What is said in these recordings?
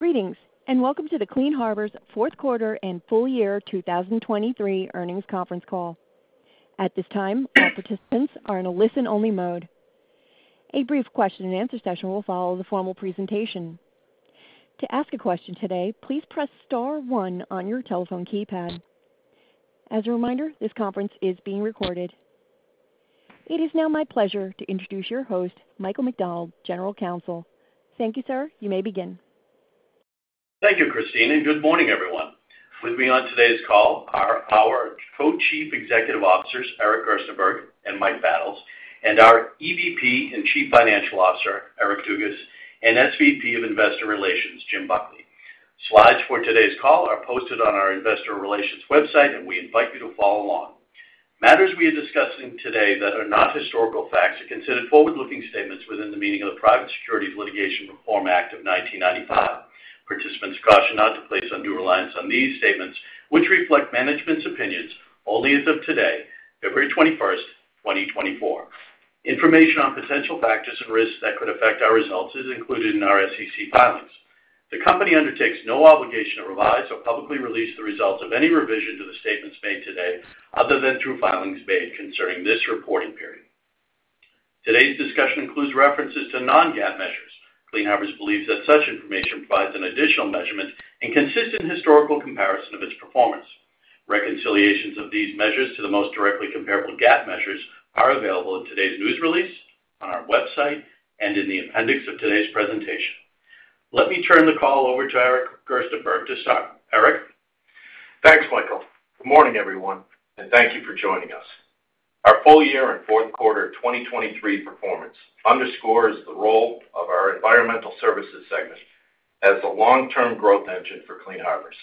Greetings and welcome to the Clean Harbors fourth quarter and full year 2023 earnings conference call. At this time, all participants are in a listen-only mode. A brief question-and-answer session will follow the formal presentation. To ask a question today, please press star one on your telephone keypad. As a reminder, this conference is being recorded. It is now my pleasure to introduce your host, Michael McDonald, General Counsel. Thank you, sir. You may begin. Thank you, Christine, and good morning, everyone. With me on today's call are our Co-Chief Executive Officers, Eric Gerstenberg and Mike Battles, and our EVP and Chief Financial Officer, Eric Dugas, and SVP of Investor Relations, Jim Buckley. Slides for today's call are posted on our investor relations website, and we invite you to follow along. Matters we are discussing today that are not historical facts are considered forward-looking statements within the meaning of the Private Securities Litigation Reform Act of 1995. Participants caution not to place undue reliance on these statements, which reflect management's opinions only as of today, February 21st, 2024. Information on potential factors and risks that could affect our results is included in our SEC filings. The company undertakes no obligation to revise or publicly release the results of any revision to the statements made today other than through filings made concerning this reporting period. Today's discussion includes references to non-GAAP measures. Clean Harbors believes that such information provides an additional measurement and consistent historical comparison of its performance. Reconciliations of these measures to the most directly comparable GAAP measures are available in today's news release, on our website, and in the appendix of today's presentation. Let me turn the call over to Eric Gerstenberg to start. Eric? Thanks, Michael. Good morning, everyone, and thank you for joining us. Our full year and fourth quarter 2023 performance underscores the role of our environmental services segment as the long-term growth engine for Clean Harbors.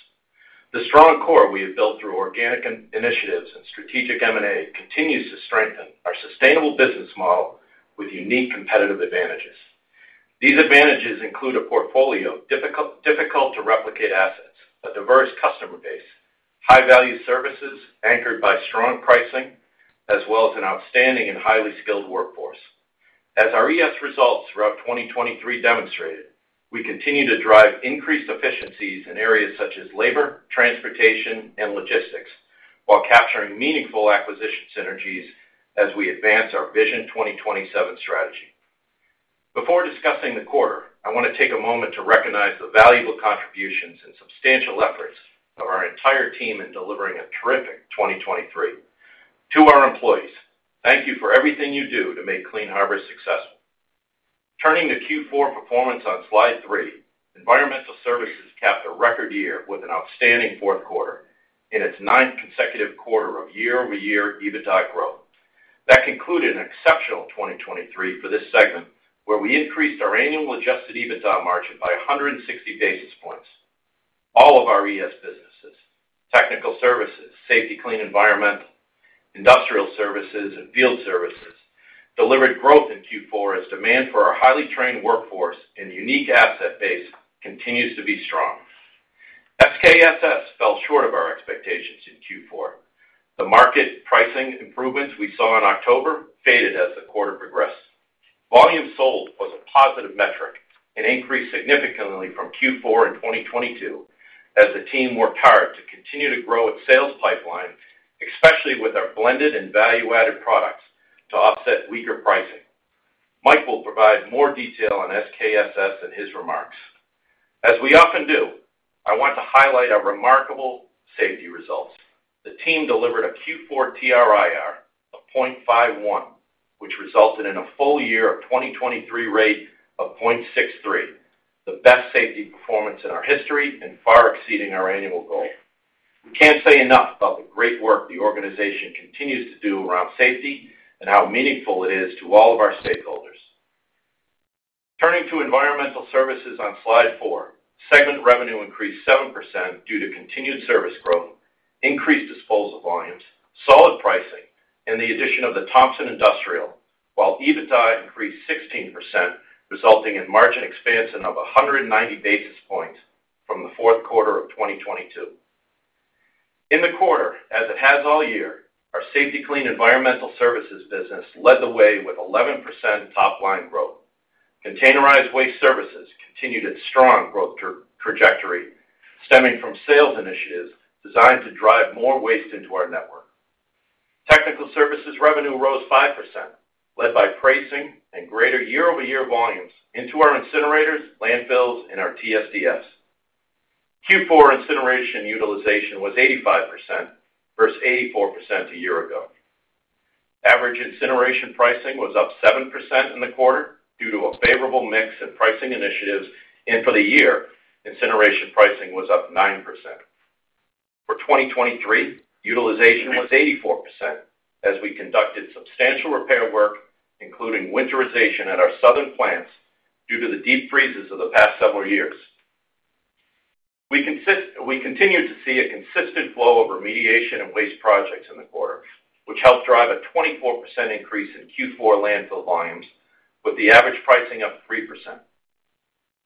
The strong core we have built through organic initiatives and strategic M&A continues to strengthen our sustainable business model with unique competitive advantages. These advantages include a portfolio of difficult-to-replicate assets, a diverse customer base, high-value services anchored by strong pricing, as well as an outstanding and highly skilled workforce. As our ES results throughout 2023 demonstrated, we continue to drive increased efficiencies in areas such as labor, transportation, and logistics while capturing meaningful acquisition synergies as we advance our Vision 2027 strategy. Before discussing the quarter, I want to take a moment to recognize the valuable contributions and substantial efforts of our entire team in delivering a terrific 2023. To our employees, thank you for everything you do to make Clean Harbors successful. Turning to Q4 performance on slide 3, environmental services capped a record year with an outstanding fourth quarter in its ninth consecutive quarter of year-over-year EBITDA growth. That concluded an exceptional 2023 for this segment, where we increased our annual adjusted EBITDA margin by 160 basis points. All of our ES businesses, technical services, Safety-Kleen Environmental, industrial services, and field services, delivered growth in Q4 as demand for our highly trained workforce and unique asset base continues to be strong. SKSS fell short of our expectations in Q4. The market pricing improvements we saw in October faded as the quarter progressed. Volume sold was a positive metric and increased significantly from Q4 in 2022 as the team worked hard to continue to grow its sales pipeline, especially with our blended and value-added products to offset weaker pricing. Mike will provide more detail on SKSS in his remarks. As we often do, I want to highlight our remarkable safety results. The team delivered a Q4 TRIR of 0.51, which resulted in a full year of 2023 rate of 0.63, the best safety performance in our history and far exceeding our annual goal. We can't say enough about the great work the organization continues to do around safety and how meaningful it is to all of our stakeholders. Turning to environmental services on slide four, segment revenue increased 7% due to continued service growth, increased disposal volumes, solid pricing, and the addition of the Thompson Industrial, while EBITDA increased 16%, resulting in margin expansion of 190 basis points from the fourth quarter of 2022. In the quarter, as it has all year, our Safety-Kleen environmental services business led the way with 11% top-line growth. Containerized waste services continued its strong growth trajectory, stemming from sales initiatives designed to drive more waste into our network. Technical services revenue rose 5%, led by pricing and greater year-over-year volumes into our incinerators, landfills, and our TSDF. Q4 incineration utilization was 85% versus 84% a year ago. Average incineration pricing was up 7% in the quarter due to a favorable mix of pricing initiatives, and for the year, incineration pricing was up 9%. For 2023, utilization was 84% as we conducted substantial repair work, including winterization at our southern plants due to the deep freezes of the past several years. We continued to see a consistent flow of remediation and waste projects in the quarter, which helped drive a 24% increase in Q4 landfill volumes, with the average pricing up 3%.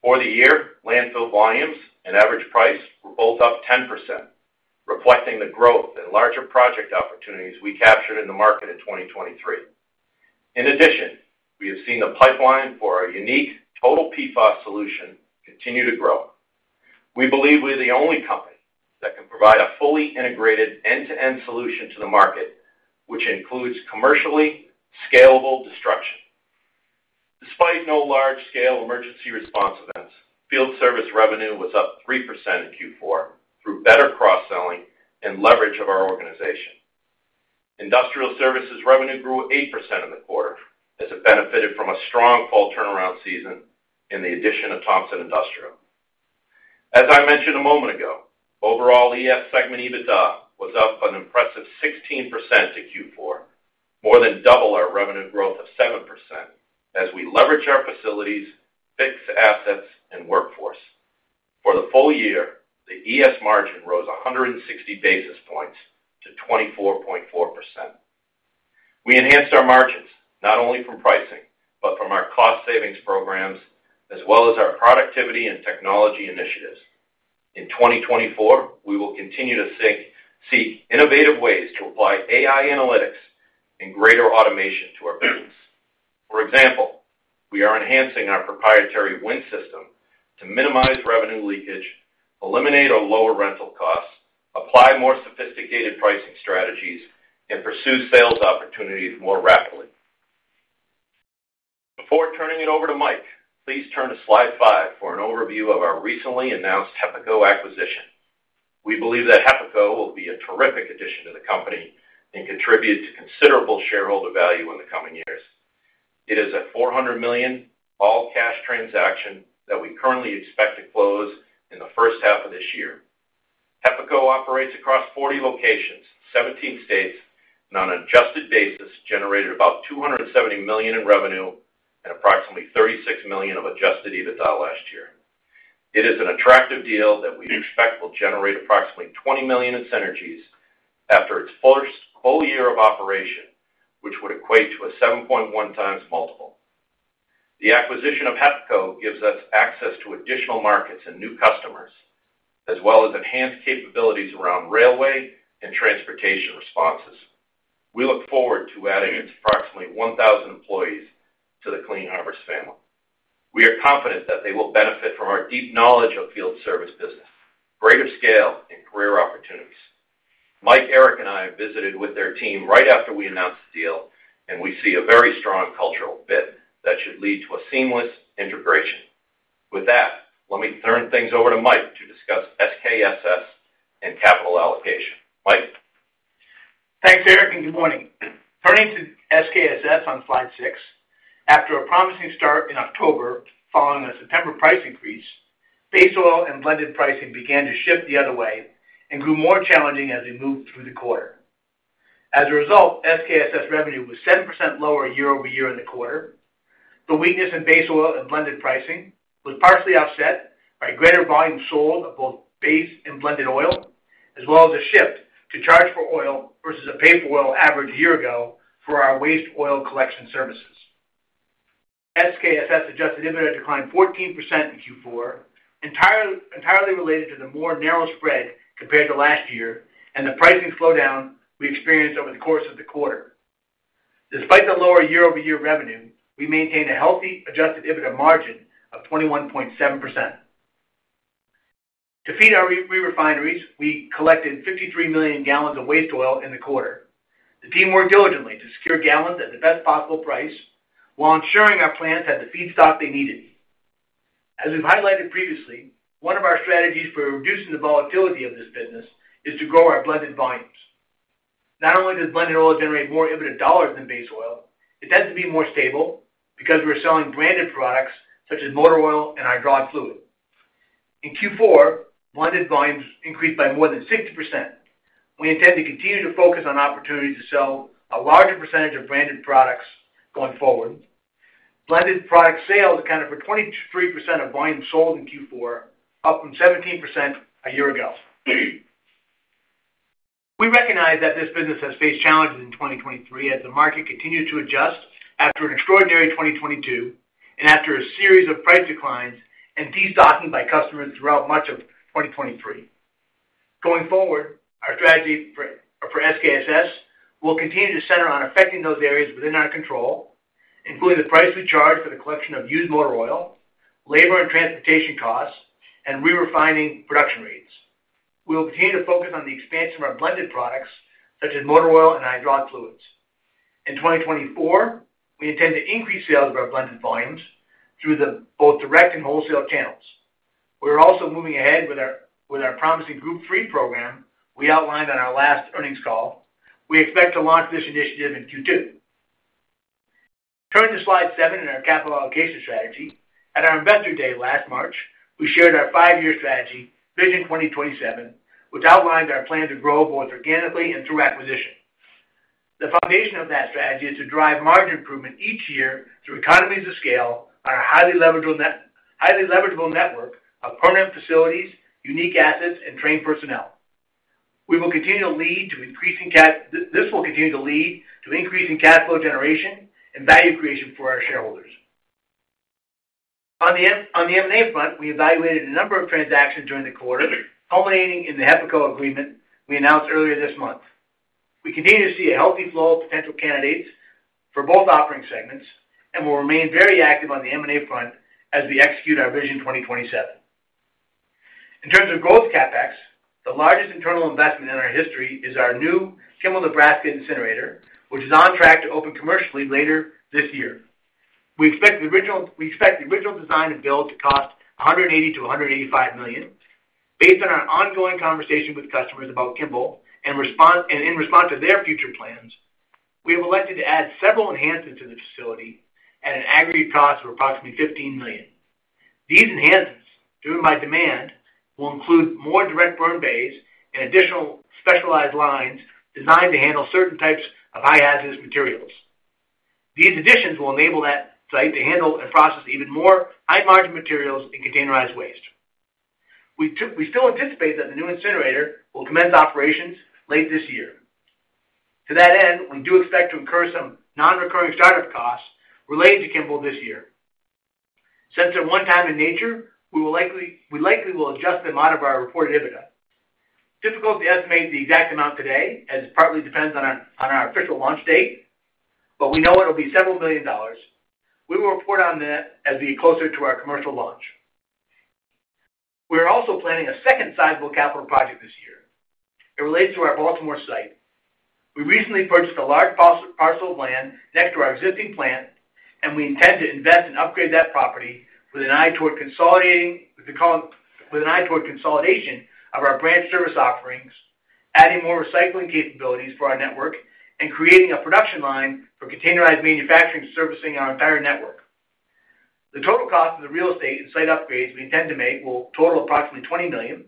For the year, landfill volumes and average price were both up 10%, reflecting the growth and larger project opportunities we captured in the market in 2023. In addition, we have seen the pipeline for our unique total PFAS solution continue to grow. We believe we are the only company that can provide a fully integrated end-to-end solution to the market, which includes commercially scalable destruction. Despite no large-scale emergency response events, field service revenue was up 3% in Q4 through better cross-selling and leverage of our organization. Industrial services revenue grew 8% in the quarter as it benefited from a strong fall turnaround season and the addition of Thompson Industrial. As I mentioned a moment ago, overall ES segment EBITDA was up an impressive 16% to Q4, more than double our revenue growth of 7% as we leveraged our facilities, fixed assets, and workforce. For the full year, the ES margin rose 160 basis points to 24.4%. We enhanced our margins not only from pricing but from our cost-savings programs, as well as our productivity and technology initiatives. In 2024, we will continue to seek innovative ways to apply AI analytics and greater automation to our business. For example, we are enhancing our proprietary WIN system to minimize revenue leakage, eliminate or lower rental costs, apply more sophisticated pricing strategies, and pursue sales opportunities more rapidly. Before turning it over to Mike, please turn to slide 5 for an overview of our recently announced HEPACO acquisition. We believe that HEPACO will be a terrific addition to the company and contribute to considerable shareholder value in the coming years. It is a $400 million all-cash transaction that we currently expect to close in the first half of this year. HEPACO operates across 40 locations, 17 states, and on an adjusted basis generated about $270 million in revenue and approximately $36 million of adjusted EBITDA last year. It is an attractive deal that we expect will generate approximately $20 million in synergies after its full year of operation, which would equate to a 7.1x multiple. The acquisition of HEPACO gives us access to additional markets and new customers, as well as enhanced capabilities around railway and transportation responses. We look forward to adding its approximately 1,000 employees to the Clean Harbors family. We are confident that they will benefit from our deep knowledge of field service business, greater scale, and career opportunities. Mike, Eric, and I visited with their team right after we announced the deal, and we see a very strong cultural fit that should lead to a seamless integration. With that, let me turn things over to Mike to discuss SKSS and capital allocation. Mike? Thanks, Eric, and good morning. Turning to SKSS on slide six, after a promising start in October following a September price increase, base oil and blended pricing began to shift the other way and grew more challenging as we moved through the quarter. As a result, SKSS revenue was 7% lower year-over-year in the quarter. The weakness in base oil and blended pricing was partially offset by greater volume sold of both base and blended oil, as well as a shift to charge-for-oil versus a pay-for-oil average a year ago for our waste oil collection services. SKSS adjusted EBITDA declined 14% in Q4, entirely related to the more narrow spread compared to last year and the pricing slowdown we experienced over the course of the quarter. Despite the lower year-over-year revenue, we maintained a healthy adjusted EBITDA margin of 21.7%. To feed our re-refineries, we collected 53 million gallons of waste oil in the quarter. The team worked diligently to secure gallons at the best possible price while ensuring our plants had the feedstock they needed. As we've highlighted previously, one of our strategies for reducing the volatility of this business is to grow our blended volumes. Not only does blended oil generate more EBITDA dollars than base oil, it tends to be more stable because we're selling branded products such as motor oil and hydraulic fluid. In Q4, blended volumes increased by more than 60%. We intend to continue to focus on opportunities to sell a larger percentage of branded products going forward. Blended product sales accounted for 23% of volume sold in Q4, up from 17% a year ago. We recognize that this business has faced challenges in 2023 as the market continues to adjust after an extraordinary 2022 and after a series of price declines and destocking by customers throughout much of 2023. Going forward, our strategy for SKSS will continue to center on affecting those areas within our control, including the price we charge for the collection of used motor oil, labor and transportation costs, and re-refining production rates. We will continue to focus on the expansion of our blended products such as motor oil and hydraulic fluids. In 2024, we intend to increase sales of our blended volumes through both direct and wholesale channels. We are also moving ahead with our promising Group III program we outlined on our last earnings call. We expect to launch this initiative in Q2. Turning to slide 7 in our capital allocation strategy, at our investor day last March, we shared our five-year strategy, Vision 2027, which outlined our plan to grow both organically and through acquisition. The foundation of that strategy is to drive margin improvement each year through economies of scale on a highly leverageable network of permanent facilities, unique assets, and trained personnel. We will continue to lead to increasing cash flow generation and value creation for our shareholders. On the M&A front, we evaluated a number of transactions during the quarter, culminating in the HEPACO agreement we announced earlier this month. We continue to see a healthy flow of potential candidates for both operating segments and will remain very active on the M&A front as we execute our Vision 2027. In terms of growth CapEx, the largest internal investment in our history is our new Kimball, Nebraska incinerator, which is on track to open commercially later this year. We expect the original design and build to cost $180 million-$185 million. Based on our ongoing conversation with customers about Kimball and in response to their future plans, we have elected to add several enhancements to the facility at an aggregate cost of approximately $15 million. These enhancements, driven by demand, will include more direct burn bays and additional specialized lines designed to handle certain types of high-hazardous materials. These additions will enable that site to handle and process even more high-margin materials and containerized waste. We still anticipate that the new incinerator will commence operations late this year. To that end, we do expect to incur some non-recurring startup costs related to Kimball this year. Since they're one-time in nature, we likely will adjust them out of our reported EBITDA. It's difficult to estimate the exact amount today as it partly depends on our official launch date, but we know it'll be several million dollars. We will report on that as we get closer to our commercial launch. We are also planning a second sizable capital project this year. It relates to our Baltimore site. We recently purchased a large parcel of land next to our existing plant, and we intend to invest and upgrade that property with an eye toward consolidation of our branch service offerings, adding more recycling capabilities for our network, and creating a production line for containerized manufacturing servicing our entire network. The total cost of the real estate and site upgrades we intend to make will total approximately $20 million.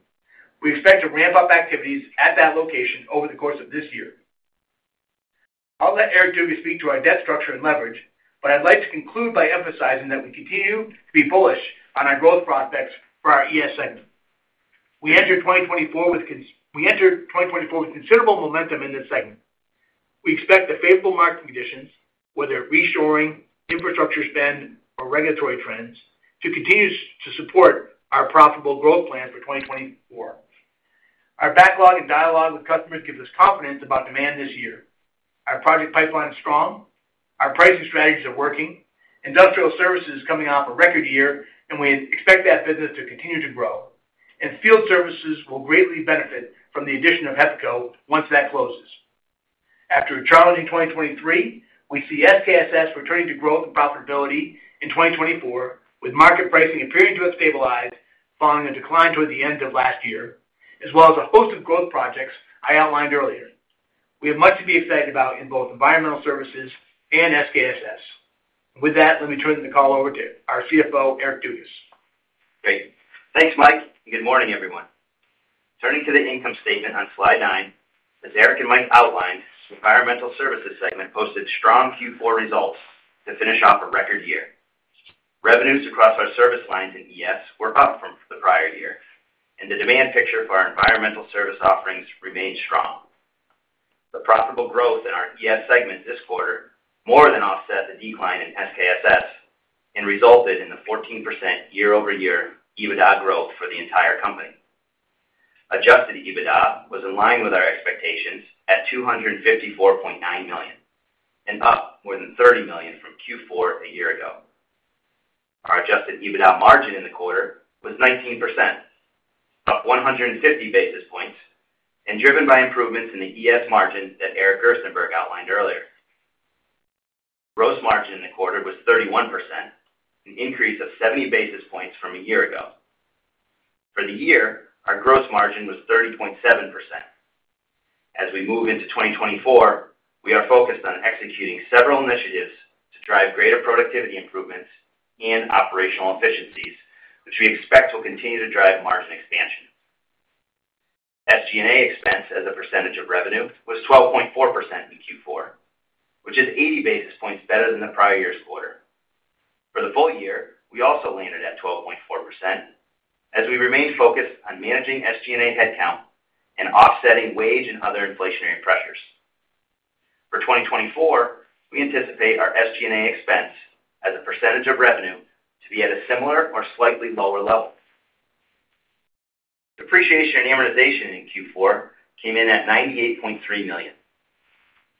We expect to ramp up activities at that location over the course of this year. I'll let Eric Dugas speak to our debt structure and leverage, but I'd like to conclude by emphasizing that we continue to be bullish on our growth prospects for our ES segment. We entered 2024 with considerable momentum in this segment. We expect the favorable market conditions, whether reshoring, infrastructure spend, or regulatory trends, to continue to support our profitable growth plan for 2024. Our backlog and dialogue with customers gives us confidence about demand this year. Our project pipeline is strong. Our pricing strategies are working. Industrial services is coming off a record year, and we expect that business to continue to grow. Field services will greatly benefit from the addition of HEPACO once that closes. After a challenging 2023, we see SKSS returning to growth and profitability in 2024, with market pricing appearing to have stabilized following a decline toward the end of last year, as well as a host of growth projects I outlined earlier. We have much to be excited about in both environmental services and SKSS. With that, let me turn the call over to our CFO, Eric Dugas. Great. Thanks, Mike, and good morning, everyone. Turning to the income statement on slide 9, as Eric and Mike outlined, the environmental services segment posted strong Q4 results to finish off a record year. Revenues across our service lines and ES were up from the prior year, and the demand picture for our environmental service offerings remained strong. The profitable growth in our ES segment this quarter more than offset the decline in SKSS and resulted in the 14% year-over-year EBITDA growth for the entire company. Adjusted EBITDA was in line with our expectations at $254.9 million and up more than $30 million from Q4 a year ago. Our adjusted EBITDA margin in the quarter was 19%, up 150 basis points, and driven by improvements in the ES margin that Eric Gerstenberg outlined earlier. Gross margin in the quarter was 31%, an increase of 70 basis points from a year ago. For the year, our gross margin was 30.7%. As we move into 2024, we are focused on executing several initiatives to drive greater productivity improvements and operational efficiencies, which we expect will continue to drive margin expansion. SG&A expense as a percentage of revenue was 12.4% in Q4, which is 80 basis points better than the prior year's quarter. For the full year, we also landed at 12.4% as we remained focused on managing SG&A headcount and offsetting wage and other inflationary pressures. For 2024, we anticipate our SG&A expense as a percentage of revenue to be at a similar or slightly lower level. Depreciation and amortization in Q4 came in at $98.3 million.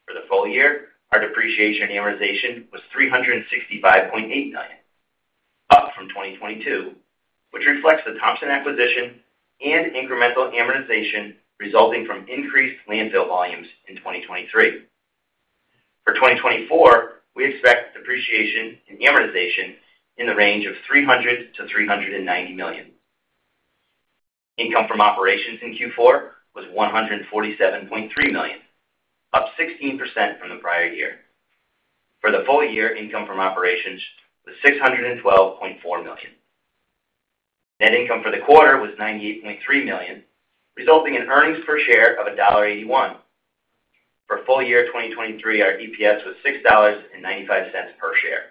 For the full year, our depreciation and amortization was $365.8 million, up from 2022, which reflects the Thompson acquisition and incremental amortization resulting from increased landfill volumes in 2023. For 2024, we expect depreciation and amortization in the range of $300 million-$390 million. Income from operations in Q4 was $147.3 million, up 16% from the prior year. For the full year, income from operations was $612.4 million. Net income for the quarter was $98.3 million, resulting in earnings per share of $1.81. For full year 2023, our EPS was $6.95 per share.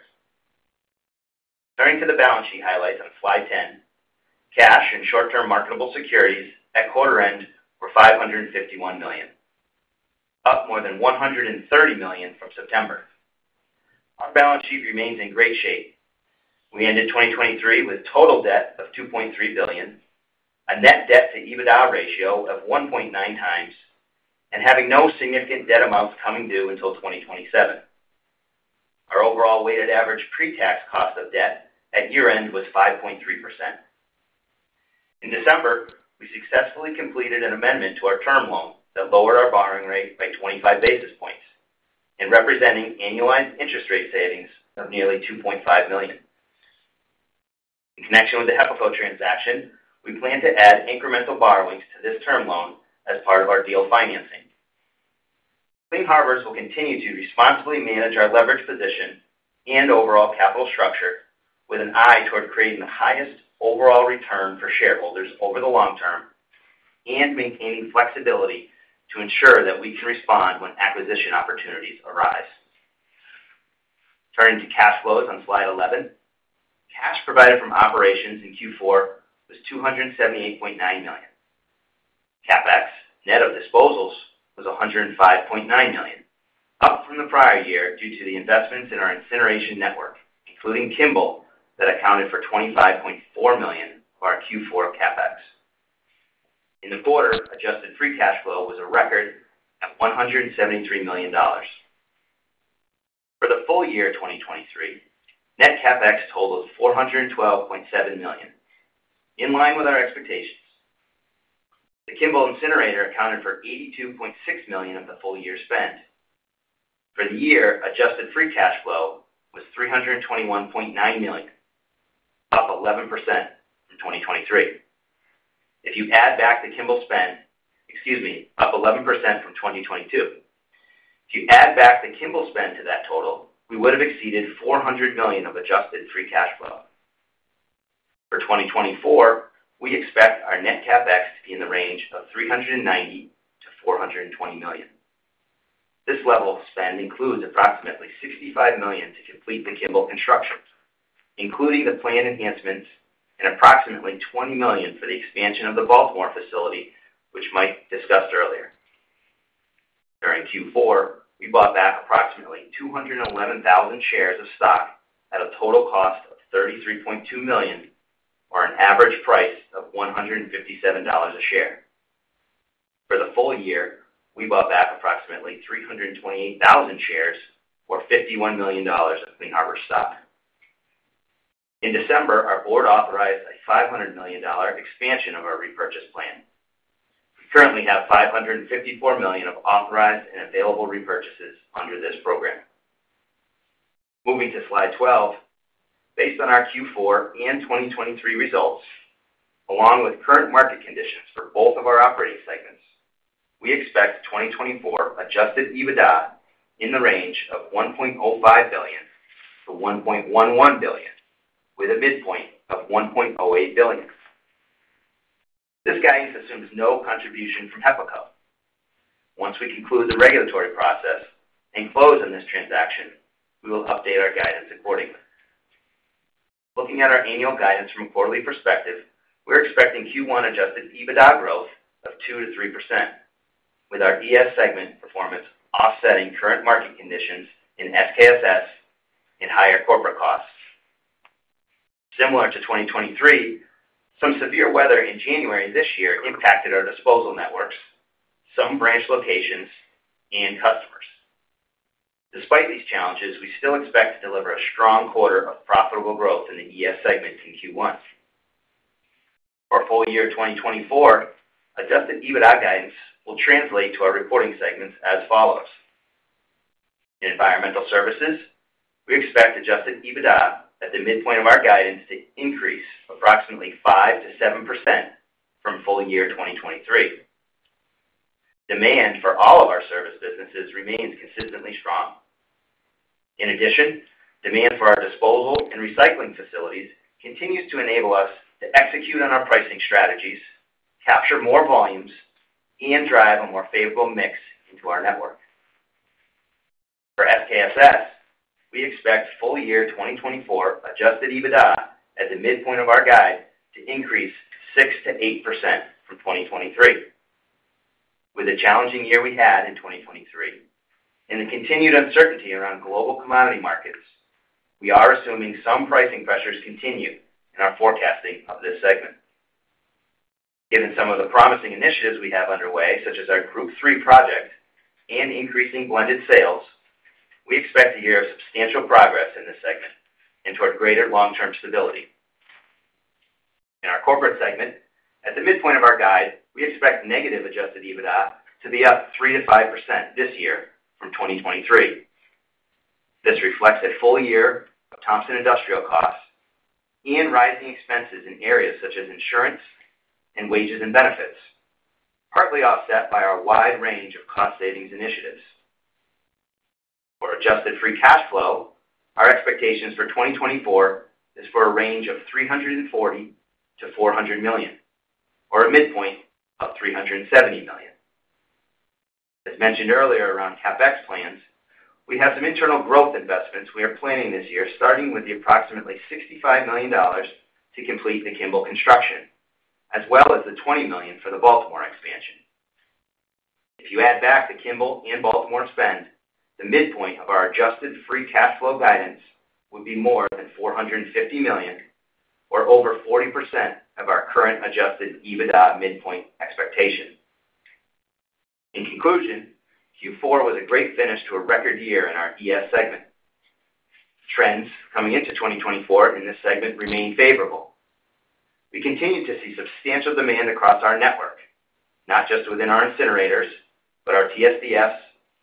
Turning to the balance sheet highlights on slide 10, cash and short-term marketable securities at quarter end were $551 million, up more than $130 million from September. Our balance sheet remains in great shape. We ended 2023 with total debt of $2.3 billion, a net debt-to-EBITDA ratio of 1.9 times, and having no significant debt amounts coming due until 2027. Our overall weighted average pre-tax cost of debt at year end was 5.3%. In December, we successfully completed an amendment to our term loan that lowered our borrowing rate by 25 basis points and representing annualized interest rate savings of nearly $2.5 million. In connection with the HEPACO transaction, we plan to add incremental borrowings to this term loan as part of our deal financing. Clean Harbors will continue to responsibly manage our leverage position and overall capital structure with an eye toward creating the highest overall return for shareholders over the long term and maintaining flexibility to ensure that we can respond when acquisition opportunities arise. Turning to cash flows on slide 11, cash provided from operations in Q4 was $278.9 million. CapEx, net of disposals, was $105.9 million, up from the prior year due to the investments in our incineration network, including Kimball that accounted for $25.4 million of our Q4 CapEx. In the quarter, adjusted free cash flow was a record at $173 million. For the full year 2023, net CapEx totaled $412.7 million, in line with our expectations. The Kimball incinerator accounted for $82.6 million of the full year's spend. For the year, adjusted free cash flow was $321.9 million, up 11% from 2023. If you add back the Kimball spend excuse me, up 11% from 2022. If you add back the Kimball spend to that total, we would have exceeded $400 million of adjusted free cash flow. For 2024, we expect our net CapEx to be in the range of $390 million-$420 million. This level of spend includes approximately $65 million to complete the Kimball construction, including the planned enhancements, and approximately $20 million for the expansion of the Baltimore facility, which Mike discussed earlier. During Q4, we bought back approximately 211,000 shares of stock at a total cost of $33.2 million or an average price of $157 a share. For the full year, we bought back approximately 328,000 shares or $51 million of Clean Harbors stock. In December, our board authorized a $500 million expansion of our repurchase plan. We currently have $554 million of authorized and available repurchases under this program. Moving to slide 12, based on our Q4 and 2023 results, along with current market conditions for both of our operating segments, we expect 2024 adjusted EBITDA in the range of $1.05 billion-$1.11 billion, with a midpoint of $1.08 billion. This guidance assumes no contribution from HEPACO. Once we conclude the regulatory process and close on this transaction, we will update our guidance accordingly. Looking at our annual guidance from a quarterly perspective, we're expecting Q1 adjusted EBITDA growth of 2%-3%, with our ES segment performance offsetting current market conditions in SKSS and higher corporate costs. Similar to 2023, some severe weather in January this year impacted our disposal networks, some branch locations, and customers. Despite these challenges, we still expect to deliver a strong quarter of profitable growth in the ES segments in Q1. For full year 2024, adjusted EBITDA guidance will translate to our reporting segments as follows. In environmental services, we expect adjusted EBITDA at the midpoint of our guidance to increase approximately 5%-7% from full year 2023. Demand for all of our service businesses remains consistently strong. In addition, demand for our disposal and recycling facilities continues to enable us to execute on our pricing strategies, capture more volumes, and drive a more favorable mix into our network. For SKSS, we expect full year 2024 adjusted EBITDA at the midpoint of our guide to increase 6%-8% from 2023, with a challenging year we had in 2023. In the continued uncertainty around global commodity markets, we are assuming some pricing pressures continue in our forecasting of this segment. Given some of the promising initiatives we have underway, such as our Group III project and increasing blended sales, we expect a year of substantial progress in this segment and toward greater long-term stability. In our corporate segment, at the midpoint of our guide, we expect negative adjusted EBITDA to be up 3%-5% this year from 2023. This reflects a full year of Thompson Industrial costs and rising expenses in areas such as insurance and wages and benefits, partly offset by our wide range of cost savings initiatives. For adjusted free cash flow, our expectations for 2024 is for a range of $340 million-$400 million or a midpoint of $370 million. As mentioned earlier around CapEx plans, we have some internal growth investments we are planning this year, starting with the approximately $65 million to complete the Kimball construction, as well as the $20 million for the Baltimore expansion. If you add back the Kimball and Baltimore spend, the midpoint of our adjusted free cash flow guidance would be more than $450 million or over 40% of our current adjusted EBITDA midpoint expectation. In conclusion, Q4 was a great finish to a record year in our ES segment. Trends coming into 2024 in this segment remain favorable. We continue to see substantial demand across our network, not just within our incinerators, but our TSDFs,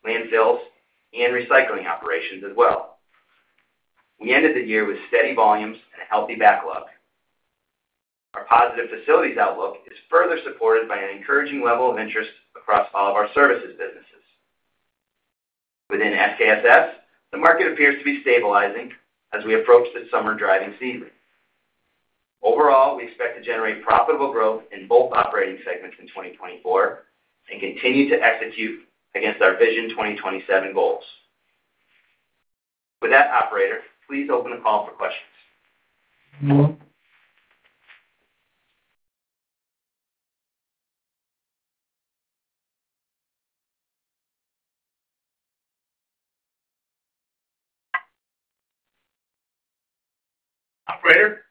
landfills, and recycling operations as well. We ended the year with steady volumes and a healthy backlog. Our positive facilities outlook is further supported by an encouraging level of interest across all of our services businesses. Within SKSS, the market appears to be stabilizing as we approach the summer driving season. Overall, we expect to generate profitable growth in both operating segments in 2024 and continue to execute against our Vision 2027 goals. With that, operator, please open the call for questions. Hello. Operator?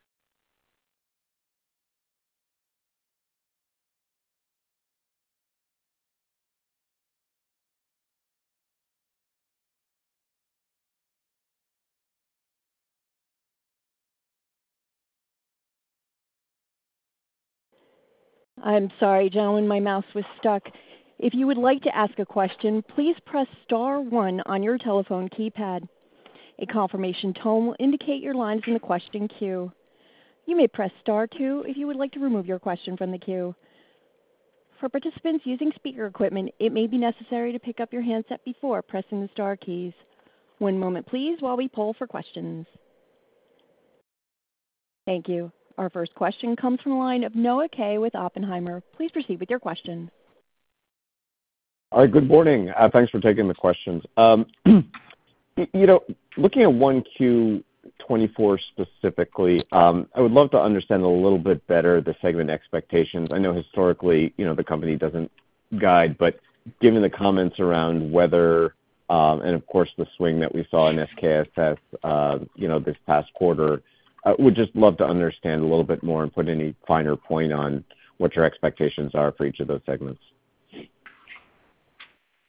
I'm sorry, gentlemen. My mouse was stuck. If you would like to ask a question, please press star one on your telephone keypad. A confirmation tone will indicate your line's in the question queue. You may press star two if you would like to remove your question from the queue. For participants using speaker equipment, it may be necessary to pick up your handset before pressing the star keys. One moment, please, while we pull for questions. Thank you. Our first question comes from the line of Noah Kaye with Oppenheimer. Please proceed with your question. Hi. Good morning. Thanks for taking the questions. You know, looking at 1Q24 specifically, I would love to understand a little bit better the segment expectations. I know historically, you know, the company doesn't guide, but given the comments around weather, and of course, the swing that we saw in SKSS, you know, this past quarter, would just love to understand a little bit more and put any finer point on what your expectations are for each of those segments?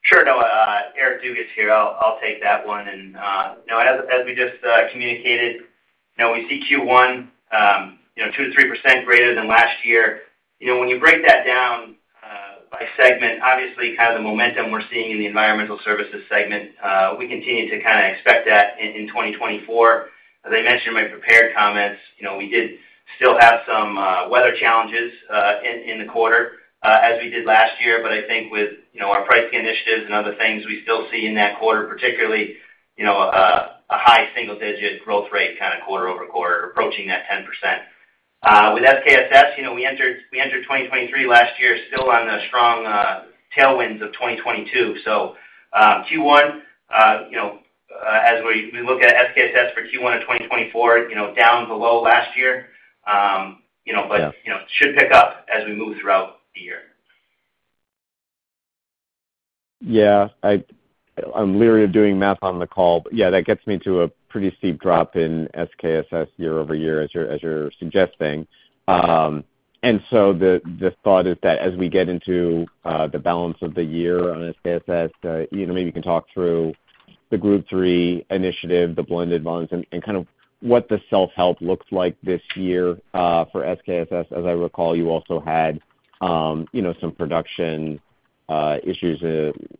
Sure, Noah. Eric Dugas here. I'll take that one. And, you know, as we just communicated, you know, we see Q1, you know, 2%-3% greater than last year. You know, when you break that down by segment, obviously, kind of the momentum we're seeing in the Environmental Services segment, we continue to kind of expect that in 2024. As I mentioned in my prepared comments, you know, we did still have some weather challenges in the quarter, as we did last year. But I think with, you know, our pricing initiatives and other things, we still see in that quarter, particularly, you know, a high single-digit growth rate kind of quarter-over-quarter, approaching that 10%. With SKSS, you know, we entered 2023 last year still on the strong tailwinds of 2022. So, Q1, you know, as we look at SKSS for Q1 of 2024, you know, down below last year, you know, but. Yeah. You know, it should pick up as we move throughout the year. Yeah. I, I'm leery of doing math on the call, but yeah, that gets me to a pretty steep drop in SKSS year-over-year, as you're suggesting. And so the thought is that as we get into the balance of the year on SKSS, you know, maybe you can talk through the Group III initiative, the blended volumes, and kind of what the self-help looks like this year, for SKSS. As I recall, you also had, you know, some production issues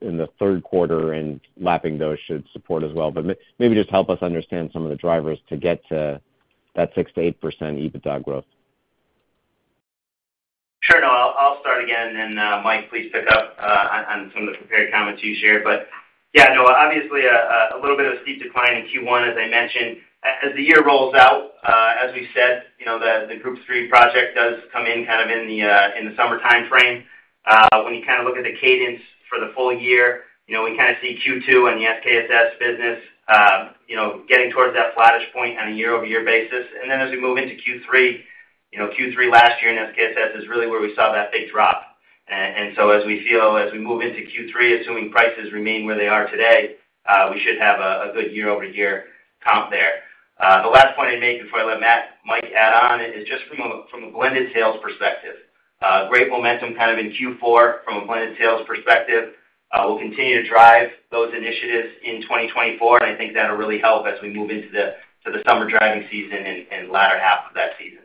in the third quarter, and lapping those should support as well. But maybe just help us understand some of the drivers to get to that 6%-8% EBITDA growth. Sure, Noah. I'll start again, and then, Mike, please pick up on some of the prepared comments you shared. But yeah, Noah, obviously, a little bit of a steep decline in Q1, as I mentioned. As the year rolls out, as we said, you know, the Group III project does come in kind of in the summer time frame. When you kind of look at the cadence for the full year, you know, we kind of see Q2 and the SKSS business, you know, getting towards that flattish point on a year-over-year basis. And then as we move into Q3, you know, Q3 last year in SKSS is really where we saw that big drop. And so as we move into Q3, assuming prices remain where they are today, we should have a good year-over-year comp there. The last point I'd make before I let Matt, Mike add on is just from a blended sales perspective. Great momentum kind of in Q4 from a blended sales perspective. We'll continue to drive those initiatives in 2024, and I think that'll really help as we move into the summer driving season and latter half of that season.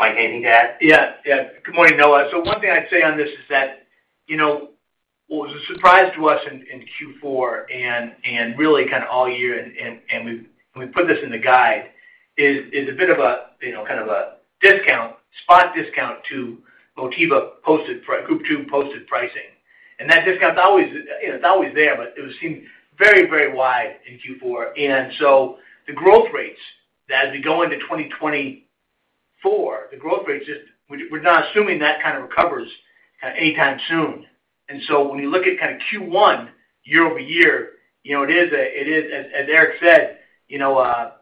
Mike, anything to add? Yeah. Yeah. Good morning, Noah. So one thing I'd say on this is that, you know, what was a surprise to us in Q4 and really kind of all year and we've put this in the guide is a bit of a, you know, kind of a discount, spot discount to Motiva posted per Group II posted pricing. And that discount's always you know, it's always there, but it seemed very, very wide in Q4. And so the growth rates as we go into 2024, the growth rates just we're not assuming that kind of recovers kind of anytime soon. And so when you look at kind of Q1 year-over-year, you know, it is, as Eric said, you know, a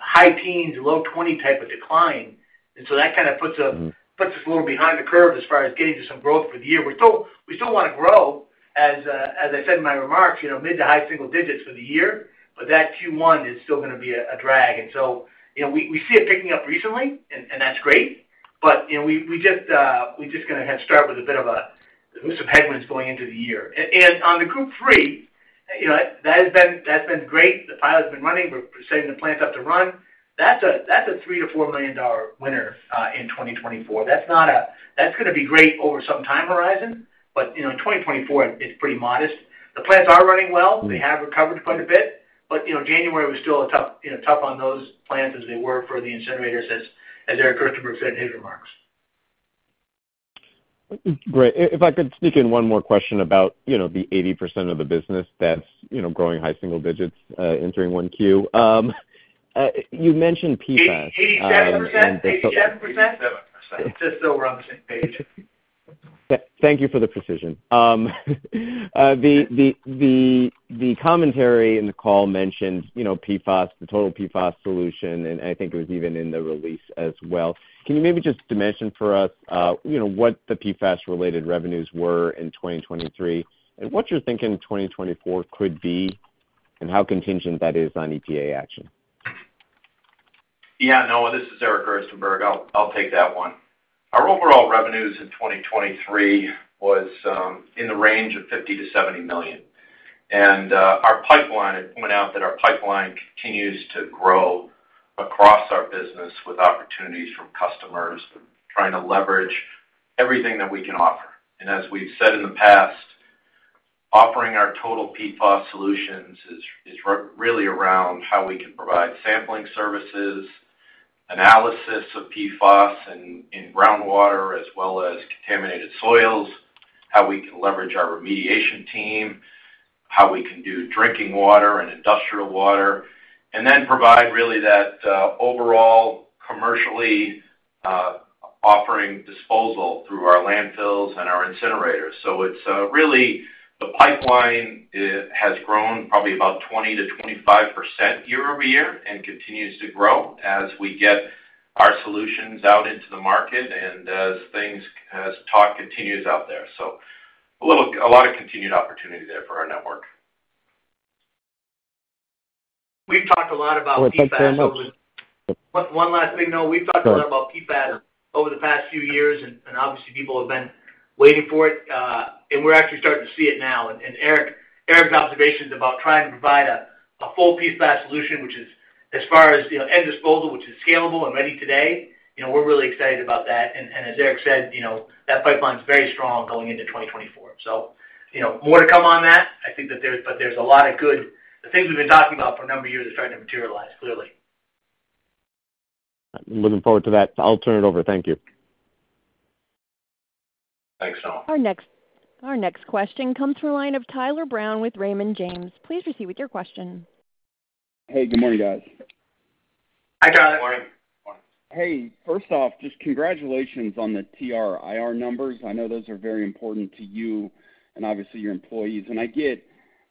high teens, low 20 type of decline. And so that kind of puts a. Mm-hmm. Puts us a little behind the curve as far as getting to some growth for the year. We're still we want to grow as I said in my remarks, you know, mid- to high-single digits for the year. But that Q1 is still going to be a drag. And so, you know, we see it picking up recently, and that's great. But, you know, we're just going to have to start with some headwinds going into the year. And on the Group III, you know, that's been great. The pile has been running. We're setting the plants up to run. That's a $3-$4 million winner in 2024. That's not going to be great over some time horizon, but, you know, in 2024, it's pretty modest. The plants are running well. Mm-hmm. They have recovered quite a bit. But, you know, January was still a tough, you know, tough on those plants as they were for the incinerators, as Eric Gerstenberg said in his remarks. Great. If I could sneak in one more question about, you know, the 80% of the business that's, you know, growing high single digits, entering 1Q. You mentioned PFAS. 80, 87%? 87%? 87 percent. Just so we're on the same page. Thank you for the precision. The commentary in the call mentioned, you know, PFAS, the total PFAS solution, and I think it was even in the release as well. Can you maybe just dimension for us, you know, what the PFAS-related revenues were in 2023 and what you're thinking 2024 could be and how contingent that is on EPA action? Yeah, Noah. This is Eric Gerstenberg. I'll, I'll take that one. Our overall revenues in 2023 was, in the range of $50 million-$70 million. Our pipeline I'd point out that our pipeline continues to grow across our business with opportunities from customers trying to leverage everything that we can offer. And as we've said in the past, offering our total PFAS solutions is, is really around how we can provide sampling services, analysis of PFAS in, in groundwater as well as contaminated soils, how we can leverage our remediation team, how we can do drinking water and industrial water, and then provide really that, overall commercially, offering disposal through our landfills and our incinerators. So it's really the pipeline. It has grown probably about 20%-25% year-over-year and continues to grow as we get our solutions out into the market and as things as talk continues out there. So a little a lot of continued opportunity there for our network. We've talked a lot about PFAS over the. What? Thanks very much. One last thing, Noah. We've talked a lot. Sure. About PFAS over the past few years, and obviously, people have been waiting for it. We're actually starting to see it now. Eric's observation is about trying to provide a full PFAS solution, which is, as far as, you know, end disposal, which is scalable and ready today. You know, we're really excited about that. As Eric said, you know, that pipeline's very strong going into 2024. So, you know, more to come on that. I think that there's a lot of good things we've been talking about for a number of years are starting to materialize, clearly. I'm looking forward to that. I'll turn it over. Thank you. Thanks, Noah. Our next question comes from the line of Tyler Brown with Raymond James. Please proceed with your question. Hey. Good morning, guys. Hi, Tyler. Good morning. Good morning. Hey. First off, just congratulations on the TRIR numbers. I know those are very important to you and obviously, your employees. I get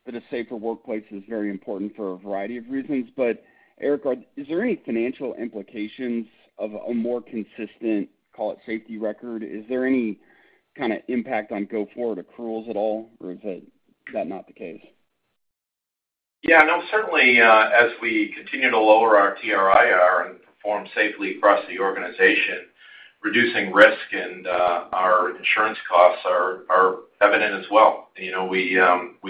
that a safer workplace is very important for a variety of reasons. But, Eric, is there any financial implications of a more consistent, call it, safety record? Is there any kind of impact on go forward accruals at all, or is that, that not the case? Yeah. No. Certainly, as we continue to lower our TRIR and perform safely across the organization, reducing risk, and our insurance costs are evident as well. You know, we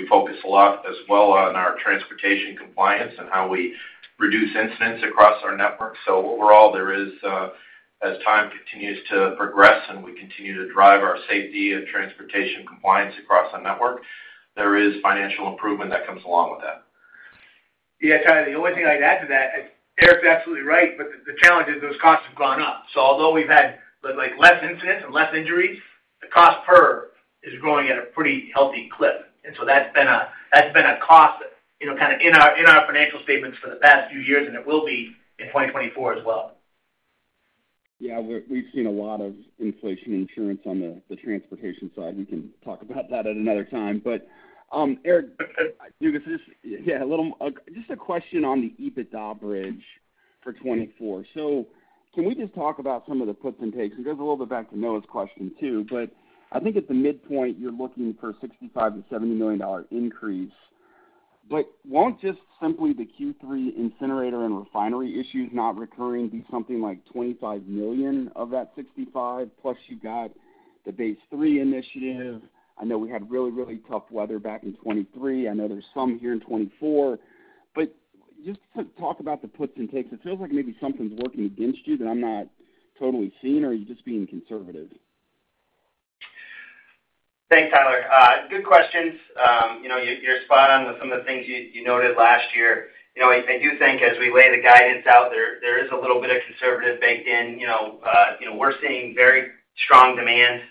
focus a lot as well on our transportation compliance and how we reduce incidents across our network. So overall, there is, as time continues to progress and we continue to drive our safety and transportation compliance across our network, there is financial improvement that comes along with that. Yeah, Tyler. The only thing I'd add to that, Eric's absolutely right. But the challenge is those costs have gone up. So although we've had, like, less incidents and less injuries, the cost per is growing at a pretty healthy clip. And so that's been a cost, you know, kind of in our financial statements for the past few years, and it will be in 2024 as well. Yeah. We've seen a lot of inflation insurance on the transportation side. We can talk about that at another time. But, Eric Dugas, just yeah, a little, just a question on the EBITDA bridge for 2024. So can we just talk about some of the puts and takes? And it goes a little bit back to Noah's question too. But I think at the midpoint, you're looking for a $65-$70 million increase. But won't just simply the Q3 incinerator and refinery issues not recurring be something like $25 million of that $65, plus you've got the base 3 initiative? I know we had really, really tough weather back in 2023. I know there's some here in 2024. But just talk about the puts and takes. It feels like maybe something's working against you that I'm not totally seeing, or are you just being conservative? Thanks, Tyler. Good questions. You know, you're spot on with some of the things you noted last year. You know, I do think as we lay the guidance out, there is a little bit of conservative baked in. You know, we're seeing very strong demand.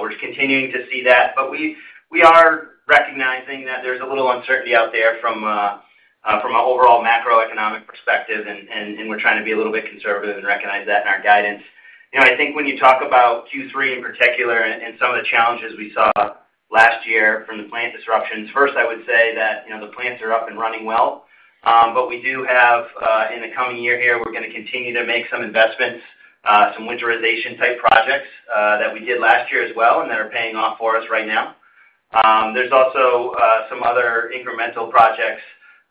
We're continuing to see that. But we are recognizing that there's a little uncertainty out there from an overall macroeconomic perspective. And we're trying to be a little bit conservative and recognize that in our guidance. You know, I think when you talk about Q3 in particular and some of the challenges we saw last year from the plant disruptions, first, I would say that, you know, the plants are up and running well. But we do have in the coming year here, we're going to continue to make some investments, some winterization-type projects, that we did last year as well and that are paying off for us right now. There's also some other incremental projects,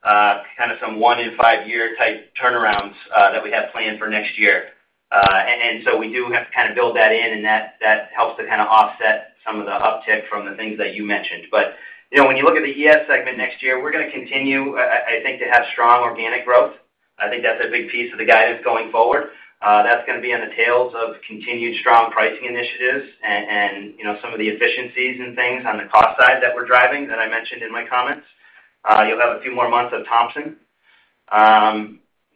kind of some one-in-five-year-type turnarounds, that we have planned for next year. And so we do have to kind of build that in, and that helps to kind of offset some of the uptick from the things that you mentioned. But, you know, when you look at the ES segment next year, we're going to continue, I think, to have strong organic growth. I think that's a big piece of the guidance going forward. That's going to be on the tails of continued strong pricing initiatives and, you know, some of the efficiencies and things on the cost side that we're driving that I mentioned in my comments. You'll have a few more months of Thompson.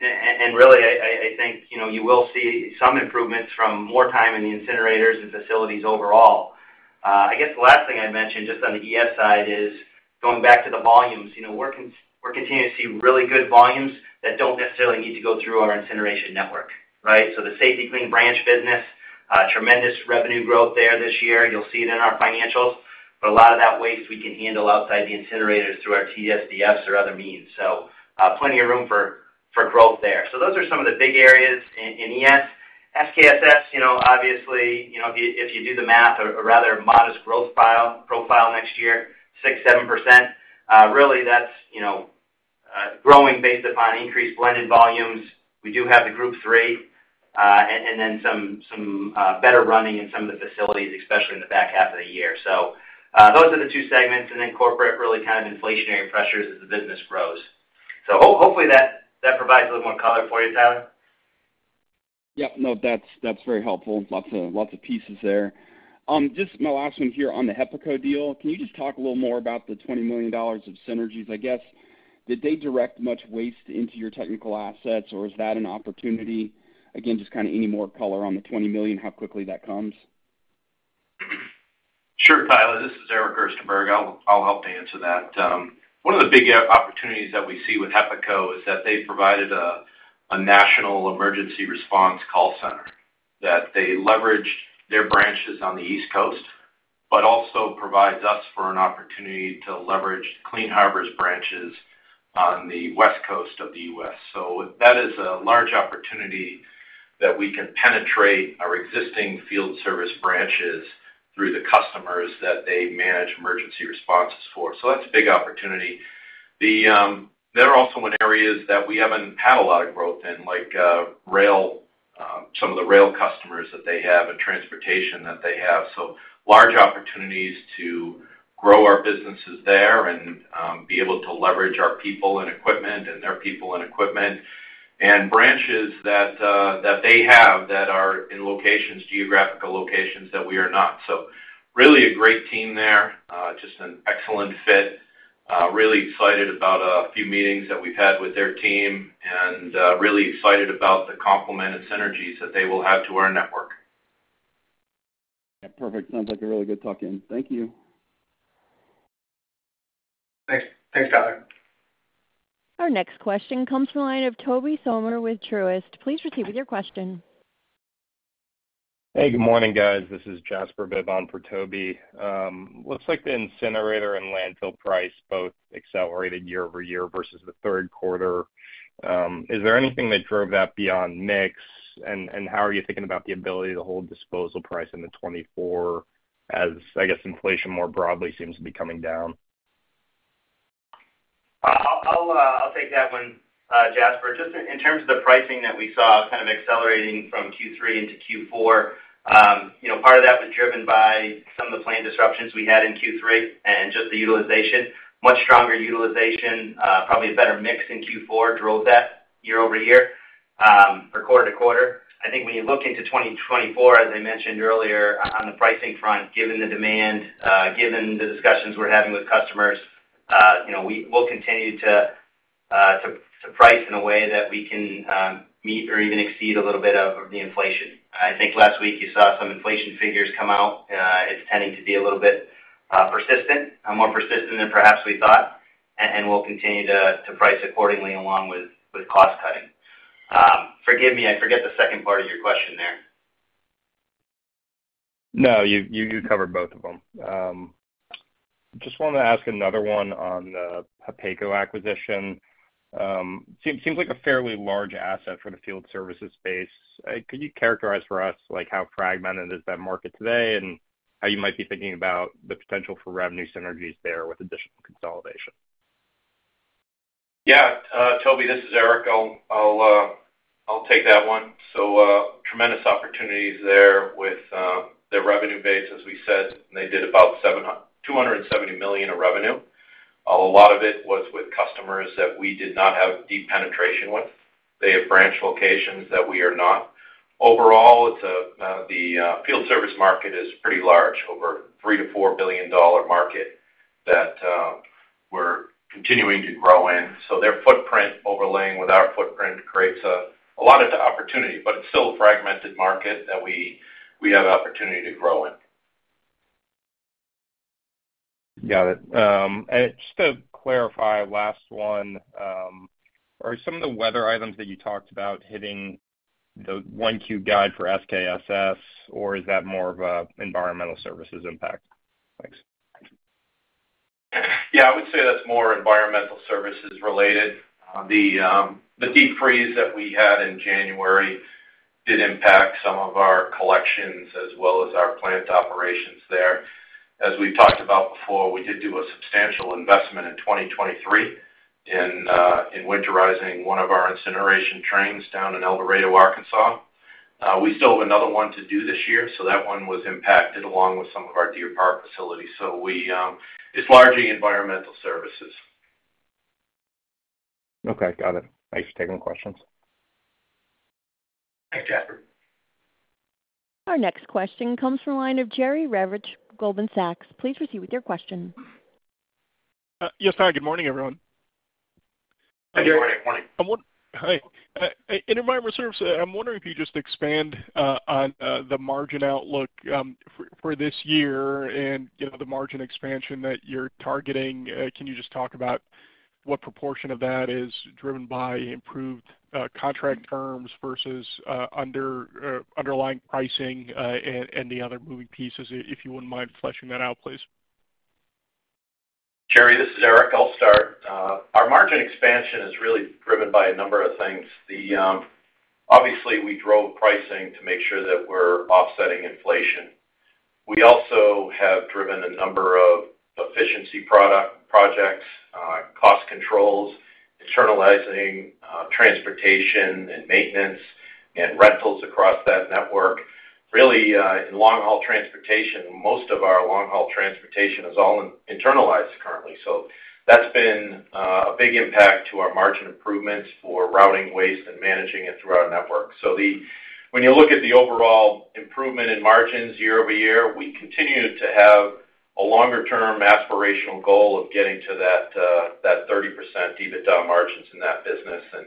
And really, I think, you know, you will see some improvements from more time in the incinerators and facilities overall. I guess the last thing I'd mention just on the ES side is going back to the volumes. You know, we're continuing to see really good volumes that don't necessarily need to go through our incineration network, right? So the Safety-Kleen branch business, tremendous revenue growth there this year. You'll see it in our financials. But a lot of that waste we can handle outside the incinerators through our TSDFs or other means. So, plenty of room for growth there. So those are some of the big areas in ES. SKSS, you know, obviously, you know, if you do the math, a rather modest growth profile next year, 6%-7%, really, that's, you know, growing based upon increased blended volumes. We do have the Group III, and then some better running in some of the facilities, especially in the back half of the year. So, those are the two segments. And then corporate, really kind of inflationary pressures as the business grows. So hopefully, that provides a little more color for you, Tyler. Yep. No. That's, that's very helpful. Lots of lots of pieces there. Just my last one here on the HEPACO deal. Can you just talk a little more about the $20 million of synergies, I guess? Did they direct much waste into your technical assets, or is that an opportunity? Again, just kind of any more color on the $20 million, how quickly that comes? Sure, Tyler. This is Eric Gerstenberg. I'll, I'll help to answer that. One of the big opportunities that we see with HEPACO is that they've provided a national emergency response call center that they leveraged their branches on the East Coast but also provides us for an opportunity to leverage Clean Harbors branches on the West Coast of the U.S. So that is a large opportunity that we can penetrate our existing field service branches through the customers that they manage emergency responses for. So that's a big opportunity. There are also areas that we haven't had a lot of growth in, like, rail some of the rail customers that they have and transportation that they have. So large opportunities to grow our businesses there and be able to leverage our people and equipment and their people and equipment and branches that they have that are in locations, geographical locations that we are not. So really a great team there, just an excellent fit. Really excited about a few meetings that we've had with their team and really excited about the complement and synergies that they will have to our network. Yeah. Perfect. Sounds like a really good talking. Thank you. Thanks. Thanks, Tyler. Our next question comes from the line of Tobey Sommer with Truist. Please proceed with your question. Hey. Good morning, guys. This is Jasper Bibb on for Tobey. Looks like the incinerator and landfill price both accelerated year-over-year versus the third quarter. Is there anything that drove that beyond mix? And, and how are you thinking about the ability to hold disposal price in the 2024 as, I guess, inflation more broadly seems to be coming down? I'll take that one, Jasper. Just in terms of the pricing that we saw kind of accelerating from Q3 into Q4, you know, part of that was driven by some of the plant disruptions we had in Q3 and just the utilization. Much stronger utilization, probably a better mix in Q4 drove that year-over-year, for quarter-to-quarter. I think when you look into 2024, as I mentioned earlier, on the pricing front, given the demand, given the discussions we're having with customers, you know, we'll continue to price in a way that we can meet or even exceed a little bit of the inflation. I think last week, you saw some inflation figures come out. It's tending to be a little bit persistent, more persistent than perhaps we thought. And we'll continue to price accordingly along with cost-cutting. Forgive me. I forget the second part of your question there. No. You covered both of them. Just wanted to ask another one on the HEPACO acquisition. Seems like a fairly large asset for the field services space. Could you characterize for us, like, how fragmented is that market today and how you might be thinking about the potential for revenue synergies there with additional consolidation? Yeah. Tobey, this is Eric. I'll take that one. So, tremendous opportunities there with their revenue base, as we said. They did about $727 million of revenue, although a lot of it was with customers that we did not have deep penetration with. They have branch locations that we are not. Overall, it's the field service market is pretty large, over a $3-$4 billion market that we're continuing to grow in. So their footprint overlaying with our footprint creates a lot of opportunity. But it's still a fragmented market that we have opportunity to grow in. Got it. Just to clarify, last one, are some of the weather items that you talked about hitting the 1Q guide for SKSS, or is that more of an environmental services impact? Thanks. Yeah. I would say that's more environmental services related. The deep freeze that we had in January did impact some of our collections as well as our plant operations there. As we've talked about before, we did do a substantial investment in 2023 in winterizing one of our incineration trains down in El Dorado, Arkansas. We still have another one to do this year. So that one was impacted along with some of our Deer Park facilities. So it's largely environmental services. Okay. Got it. Thanks for taking the questions. Thanks, Jasper. Our next question comes from the line of Jerry Revich, Goldman Sachs. Please proceed with your question. Yes, Tyler. Good morning, everyone. Hi, Jerry. Good morning. Good morning. I'm wondering in environmental services if you'd just expand on the margin outlook for this year and, you know, the margin expansion that you're targeting. Can you just talk about what proportion of that is driven by improved contract terms versus underlying pricing and the other moving pieces if you wouldn't mind fleshing that out, please? Jerry, this is Eric. I'll start. Our margin expansion is really driven by a number of things. The, obviously, we drove pricing to make sure that we're offsetting inflation. We also have driven a number of efficiency product projects, cost controls, internalizing, transportation and maintenance, and rentals across that network. Really, in long-haul transportation, most of our long-haul transportation is all in-internalized currently. So that's been, a big impact to our margin improvements for routing waste and managing it through our network. So, when you look at the overall improvement in margins year-over-year, we continue to have a longer-term aspirational goal of getting to that, that 30% EBITDA margins in that business. And,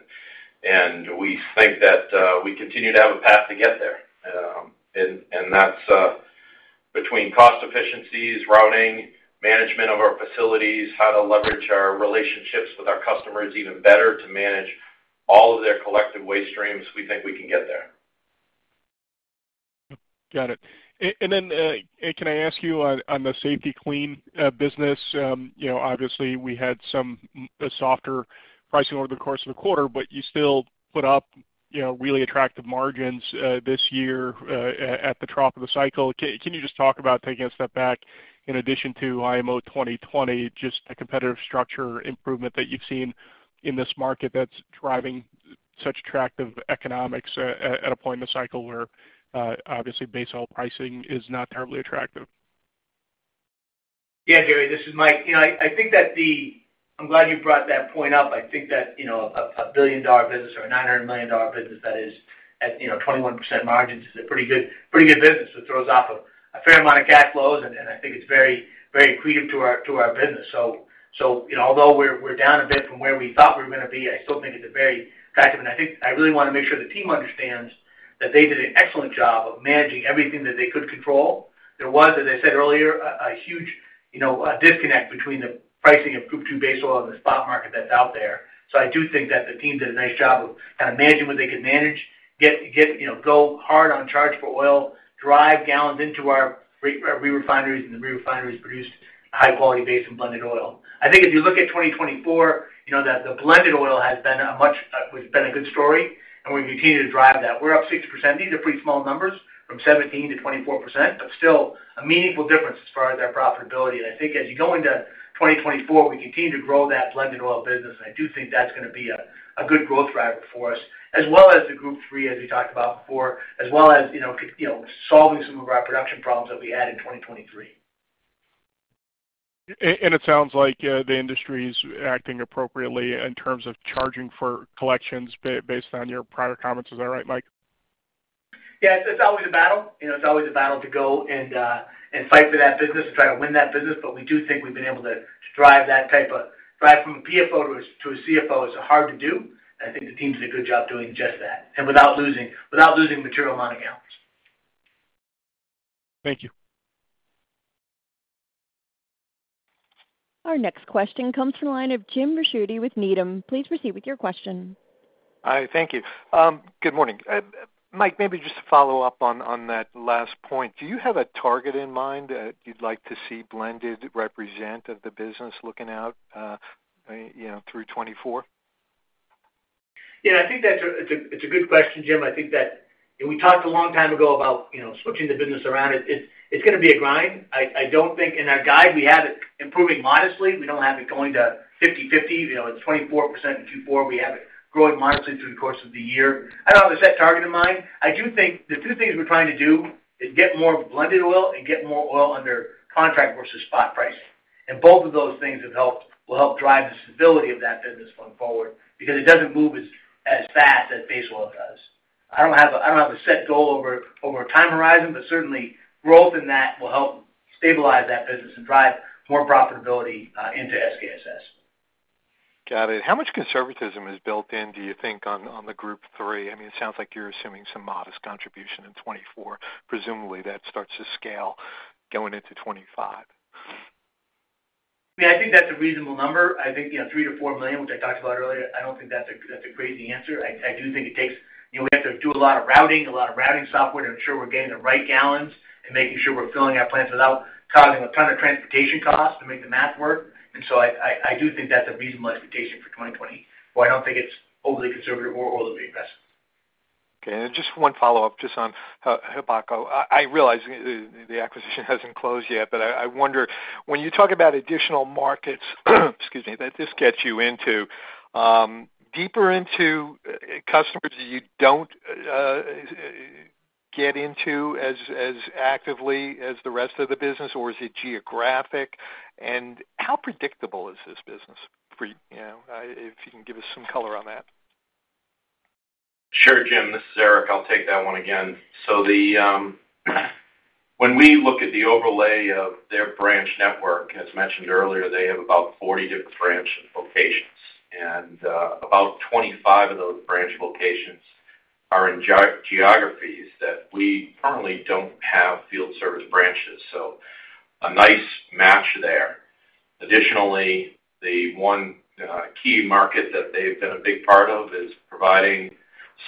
and we think that, we continue to have a path to get there. And that's between cost efficiencies, routing, management of our facilities, how to leverage our relationships with our customers even better to manage all of their collective waste streams. We think we can get there. Got it. And then, can I ask you on the Safety-Kleen business? You know, obviously, we had some somewhat softer pricing over the course of the quarter, but you still put up, you know, really attractive margins, this year, at the top of the cycle. Can you just talk about taking a step back in addition to IMO 2020, just the competitive structure improvement that you've seen in this market that's driving such attractive economics at a point in the cycle where, obviously, base oil pricing is not terribly attractive? Yeah, Jerry. This is Mike. You know, I think that, I'm glad you brought that point up. I think that, you know, a billion-dollar business or a $900 million business that is at, you know, 21% margins is a pretty good pretty good business. It throws off a fair amount of cash flows, and I think it's very, very accretive to our business. So, you know, although we're down a bit from where we thought we were going to be, I still think it's a very attractive and I think I really want to make sure the team understands that they did an excellent job of managing everything that they could control. There was, as I said earlier, a huge, you know, disconnect between the pricing of Group II base oil and the spot market that's out there. So I do think that the team did a nice job of kind of managing what they could manage, get you know, go hard on charge for oil, drive gallons into our re-refineries, and the re-refineries produced high-quality base and blended oil. I think if you look at 2024, you know, that the blended oil has been a much—it's been a good story, and we continue to drive that. We're up 6%. These are pretty small numbers from 17%-24% but still a meaningful difference as far as our profitability. And I think as you go into 2024, we continue to grow that blended oil business. I do think that's going to be a good growth driver for us as well as the Group III, as we talked about before, as well as, you know, solving some of our production problems that we had in 2023. And it sounds like the industry is acting appropriately in terms of charging for collections based on your prior comments. Is that right, Mike? Yeah. It's always a battle. You know, it's always a battle to go and fight for that business and try to win that business. But we do think we've been able to drive that type of drive from a PFO to a CFO is hard to do. And I think the team did a good job doing just that and without losing material money gallons. Thank you. Our next question comes from the line of Jim Ricchiuti with Needham. Please proceed with your question. Hi. Thank you. Good morning. Mike, maybe just to follow up on that last point. Do you have a target in mind that you'd like to see blended represent of the business looking out, you know, through 2024? Yeah. I think that's a good question, Jim. I think that and we talked a long time ago about, you know, switching the business around. It's going to be a grind. I don't think in our guide, we have it improving modestly. We don't have it going to 50/50. You know, it's 24% in Q4. We have it growing modestly through the course of the year. I don't have a set target in mind. I do think the two things we're trying to do is get more blended oil and get more oil under contract versus spot pricing. And both of those things will help drive the stability of that business going forward because it doesn't move as fast as base oil does. I don't have a set goal over a time horizon, but certainly, growth in that will help stabilize that business and drive more profitability into SKSS. Got it. How much conservatism is built in, do you think, on the Group III? I mean, it sounds like you're assuming some modest contribution in 2024. Presumably, that starts to scale going into 2025. Yeah. I think that's a reasonable number. I think, you know, $3-4 million, which I talked about earlier. I don't think that's a crazy answer. I do think it takes, you know, we have to do a lot of routing, a lot of routing software to ensure we're getting the right gallons and making sure we're filling our plants without causing a ton of transportation costs to make the math work. And so I do think that's a reasonable expectation for 2020, where I don't think it's overly conservative or overly aggressive. Okay. And just one follow-up just on HEPACO. I realize the acquisition hasn't closed yet, but I wonder when you talk about additional markets, excuse me. That this gets you into deeper into customers that you don't get into as actively as the rest of the business, or is it geographic? And how predictable is this business, you know, if you can give us some color on that? Sure, Jim. This is Eric. I'll take that one again. So when we look at the overlay of their branch network, as mentioned earlier, they have about 40 different branch locations. And about 25 of those branch locations are in geographies that we currently don't have field service branches. So a nice match there. Additionally, the one key market that they've been a big part of is providing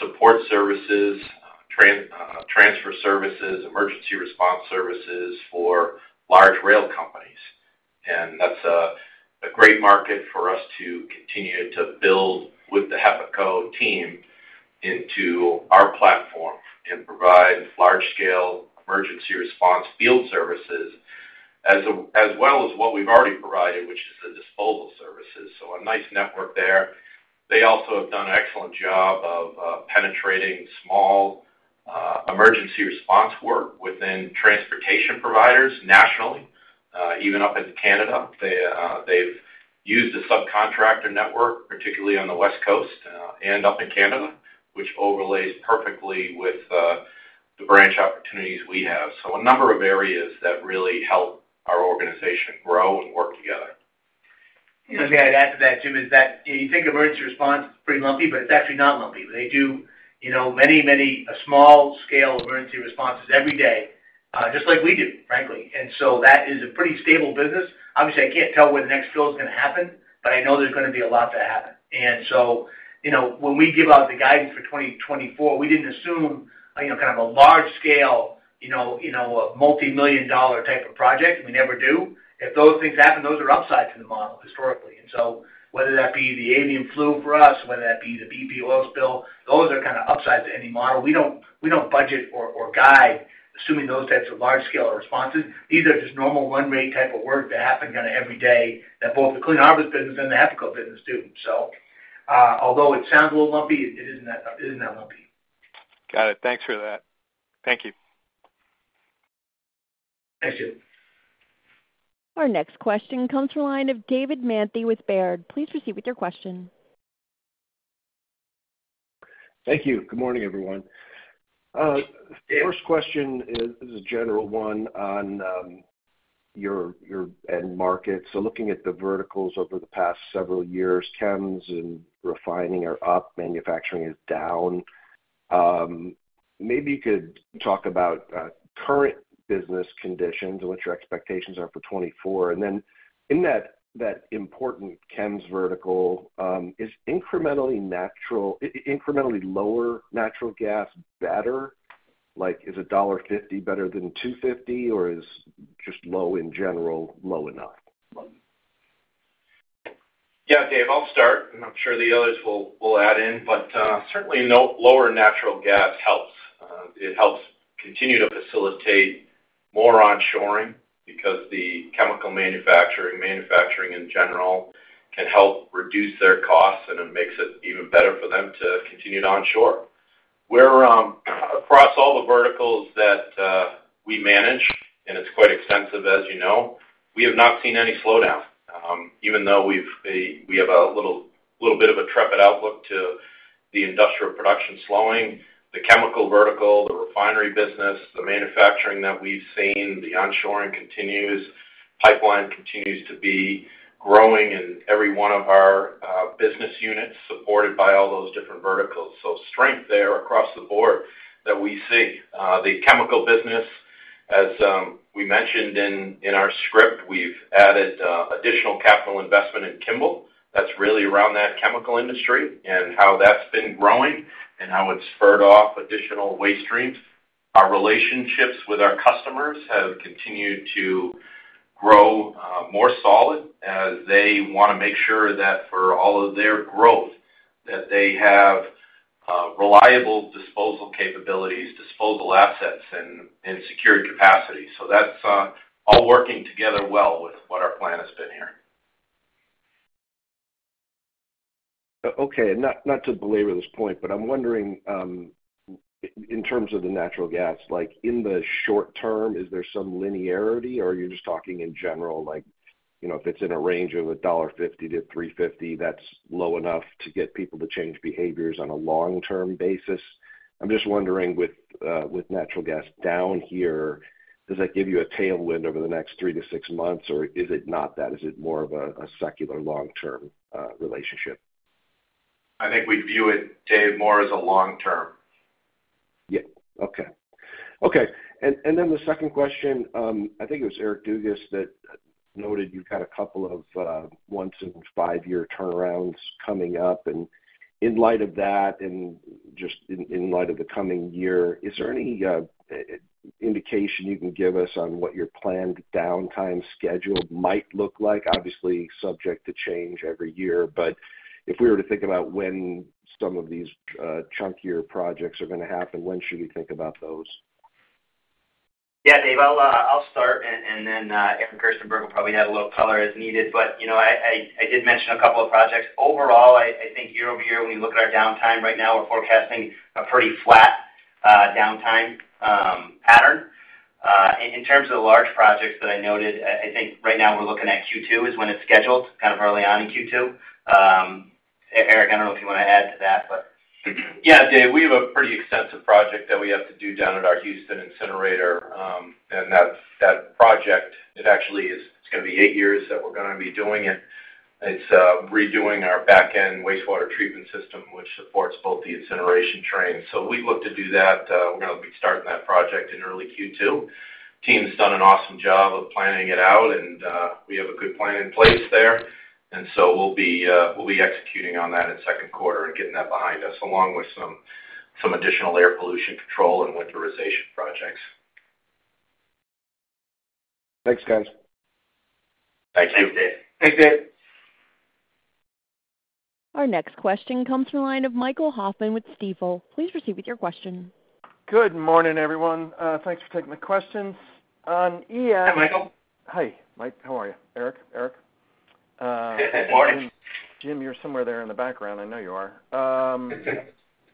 support services, transfer services, emergency response services for large rail companies. And that's a great market for us to continue to build with the HEPACO team into our platform and provide large-scale emergency response field services as well as what we've already provided, which is the disposal services. So a nice network there. They also have done an excellent job of penetrating small emergency response work within transportation providers nationally, even up in Canada. They've used a subcontractor network, particularly on the West Coast, and up in Canada, which overlays perfectly with the branch opportunities we have. So a number of areas that really help our organization grow and work together. And maybe I'd add to that, Jim, is that you know, you think emergency response is pretty lumpy, but it's actually not lumpy. They do, you know, many, many small-scale emergency responses every day, just like we do, frankly. And so that is a pretty stable business. Obviously, I can't tell where the next spill is going to happen, but I know there's going to be a lot that happen. And so, you know, when we give out the guidance for 2024, we didn't assume, you know, kind of a large-scale, you know, you know, a multimillion-dollar type of project. We never do. If those things happen, those are upsides to the model historically. And so whether that be the avian flu for us, whether that be the BP oil spill, those are kind of upsides to any model. We don't budget or guide assuming those types of large-scale responses. These are just normal run-rate type of work that happen kind of every day that both the Clean Harbors business and the HEPACO business do. So, although it sounds a little lumpy, it isn't that lumpy. Got it. Thanks for that. Thank you. Thanks, Jim. Our next question comes from the line of David Manthey with Baird. Please proceed with your question. Thank you. Good morning, everyone. First question is a general one on your end market. So looking at the verticals over the past several years, chems and refining are up. Manufacturing is down. Maybe you could talk about current business conditions and what your expectations are for 2024. And then in that important chems vertical, is incrementally lower natural gas better? Like, is $1.50 better than $2.50, or is just low in general low enough? Yeah, Dave. I'll start, and I'm sure the others will add in. But certainly, no lower natural gas helps. It helps continue to facilitate more onshoring because the chemical manufacturing, manufacturing in general, can help reduce their costs, and it makes it even better for them to continue to onshore. We're across all the verticals that we manage - and it's quite extensive, as you know - we have not seen any slowdown, even though we have a little bit of a trepid outlook to the industrial production slowing. The chemical vertical, the refinery business, the manufacturing that we've seen, the onshoring continues. Pipeline continues to be growing in every one of our business units supported by all those different verticals. So strength there across the board that we see. The chemical business, as we mentioned in our script, we've added additional capital investment in Kimball. That's really around that chemical industry and how that's been growing and how it's spurred off additional waste streams. Our relationships with our customers have continued to grow, more solid as they want to make sure that for all of their growth, they have reliable disposal capabilities, disposal assets, and secured capacity. So that's all working together well with what our plan has been here. Okay. And not to belabor this point, but I'm wondering, in terms of the natural gas, like, in the short term, is there some linearity, or are you just talking in general? Like, you know, if it's in a range of $1.50-$3.50, that's low enough to get people to change behaviors on a long-term basis? I'm just wondering with natural gas down here, does that give you a tailwind over the next three to six months, or is it not that? Is it more of a secular long-term relationship? I think we'd view it, Dave, more as a long term. Yeah. Okay. Okay. And then the second question, I think it was Eric Dugas that noted you've got a couple of once-in-five-year turnarounds coming up. And in light of that and just in light of the coming year, is there any indication you can give us on what your planned downtime schedule might look like? Obviously, subject to change every year, but if we were to think about when some of these chunkier projects are going to happen, when should we think about those? Yeah, Dave. I'll start, and then Eric Gerstenberg will probably add a little color as needed. But, you know, I did mention a couple of projects. Overall, I think year over year, when you look at our downtime right now, we're forecasting a pretty flat downtime pattern. In terms of the large projects that I noted, I think right now, we're looking at Q2 is when it's scheduled, kind of early on in Q2. Eric, I don't know if you want to add to that, but. Yeah, Dave. We have a pretty extensive project that we have to do down at our Houston incinerator, and that, that project, it actually is it's going to be eight years that we're going to be doing it. It's redoing our backend wastewater treatment system, which supports both the incineration train. So we look to do that. We're going to be starting that project in early Q2. Team's done an awesome job of planning it out, and we have a good plan in place there. And so we'll be, we'll be executing on that in second quarter and getting that behind us along with some, some additional air pollution control and winterization projects. Thanks, guys. Thank you. Thanks, Dave. Thanks, Dave. Our next question comes from the line of Michael Hoffman with Stifel. Please proceed with your question. Good morning, everyone. Thanks for taking the questions. On ES. Hi, Michael. Hi, Mike. How are you, Eric? Eric? Good morning. Jim, you're somewhere there in the background. I know you are.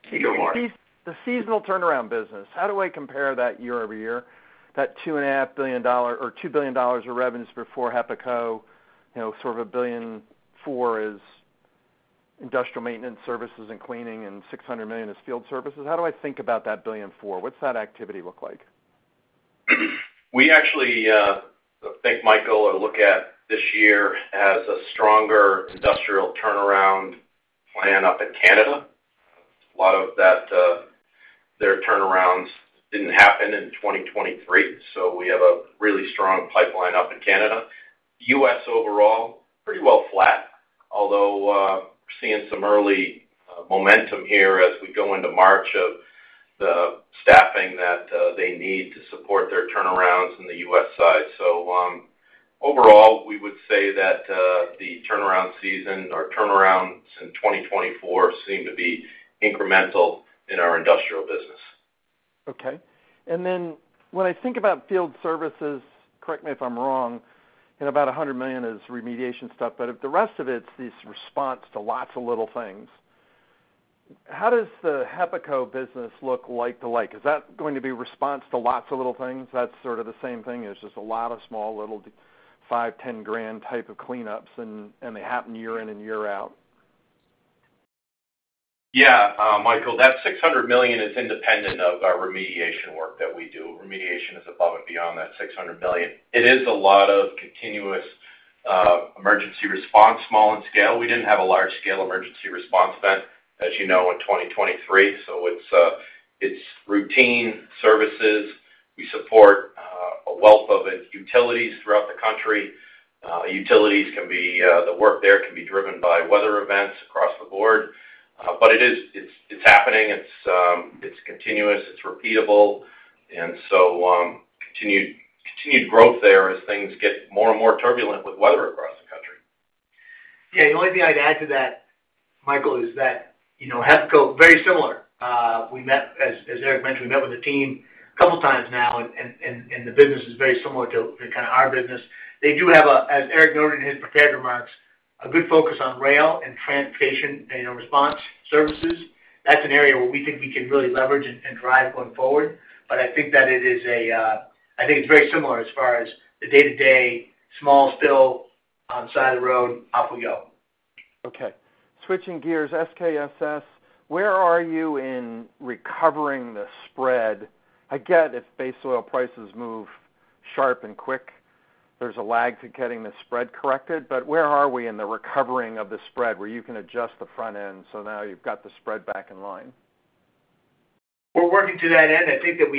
Hey, good morning. The seasonal turnaround business, how do I compare that year-over-year, that $2.5 billion or $2 billion of revenues before HEPACO, you know, sort of $1.4 billion is industrial maintenance services and cleaning, and $600 million is field services? How do I think about that $1.4 billion? What's that activity look like? We actually think Michael or look at this year as a stronger industrial turnaround plan up in Canada. A lot of that, their turnarounds didn't happen in 2023, so we have a really strong pipeline up in Canada. U.S. overall, pretty well flat, although we're seeing some early momentum here as we go into March of the staffing that they need to support their turnarounds in the U.S. side. So, overall, we would say that the turnaround season or turnarounds in 2024 seem to be incremental in our industrial business. Okay. And then when I think about field services correct me if I'm wrong. And about $100 million is remediation stuff, but if the rest of it's this response to lots of little things, how does the HEPACO business look like to like? Is that going to be response to lots of little things? That's sort of the same thing. It's just a lot of small, little $5,000-$10,000 type of cleanups, and they happen year in and year out. Yeah, Michael. That $600 million is independent of our remediation work that we do. Remediation is above and beyond that $600 million. It is a lot of continuous, emergency response, small and scale. We didn't have a large-scale emergency response event, as you know, in 2023. So it's routine services. We support a wealth of utilities throughout the country. Utilities can be the work there can be driven by weather events across the board. But it is, it's happening. It's continuous. It's repeatable. And so, continued growth there as things get more and more turbulent with weather across the country. Yeah. The only thing I'd add to that, Michael, is that, you know, HEPACO, very similar. We met, as Eric mentioned, we met with the team a couple of times now, and the business is very similar to kind of our business. They do have, as Eric noted in his prepared remarks, a good focus on rail and transportation, you know, response services. That's an area where we think we can really leverage and drive going forward. But I think that it is, I think it's very similar as far as the day-to-day, small spill on the side of the road, off we go. Okay. Switching gears, SKSS, where are you in recovering the spread? I get if base oil prices move sharp and quick, there's a lag to getting the spread corrected. But where are we in the recovering of the spread where you can adjust the front end so now you've got the spread back in line? We're working to that end. I think that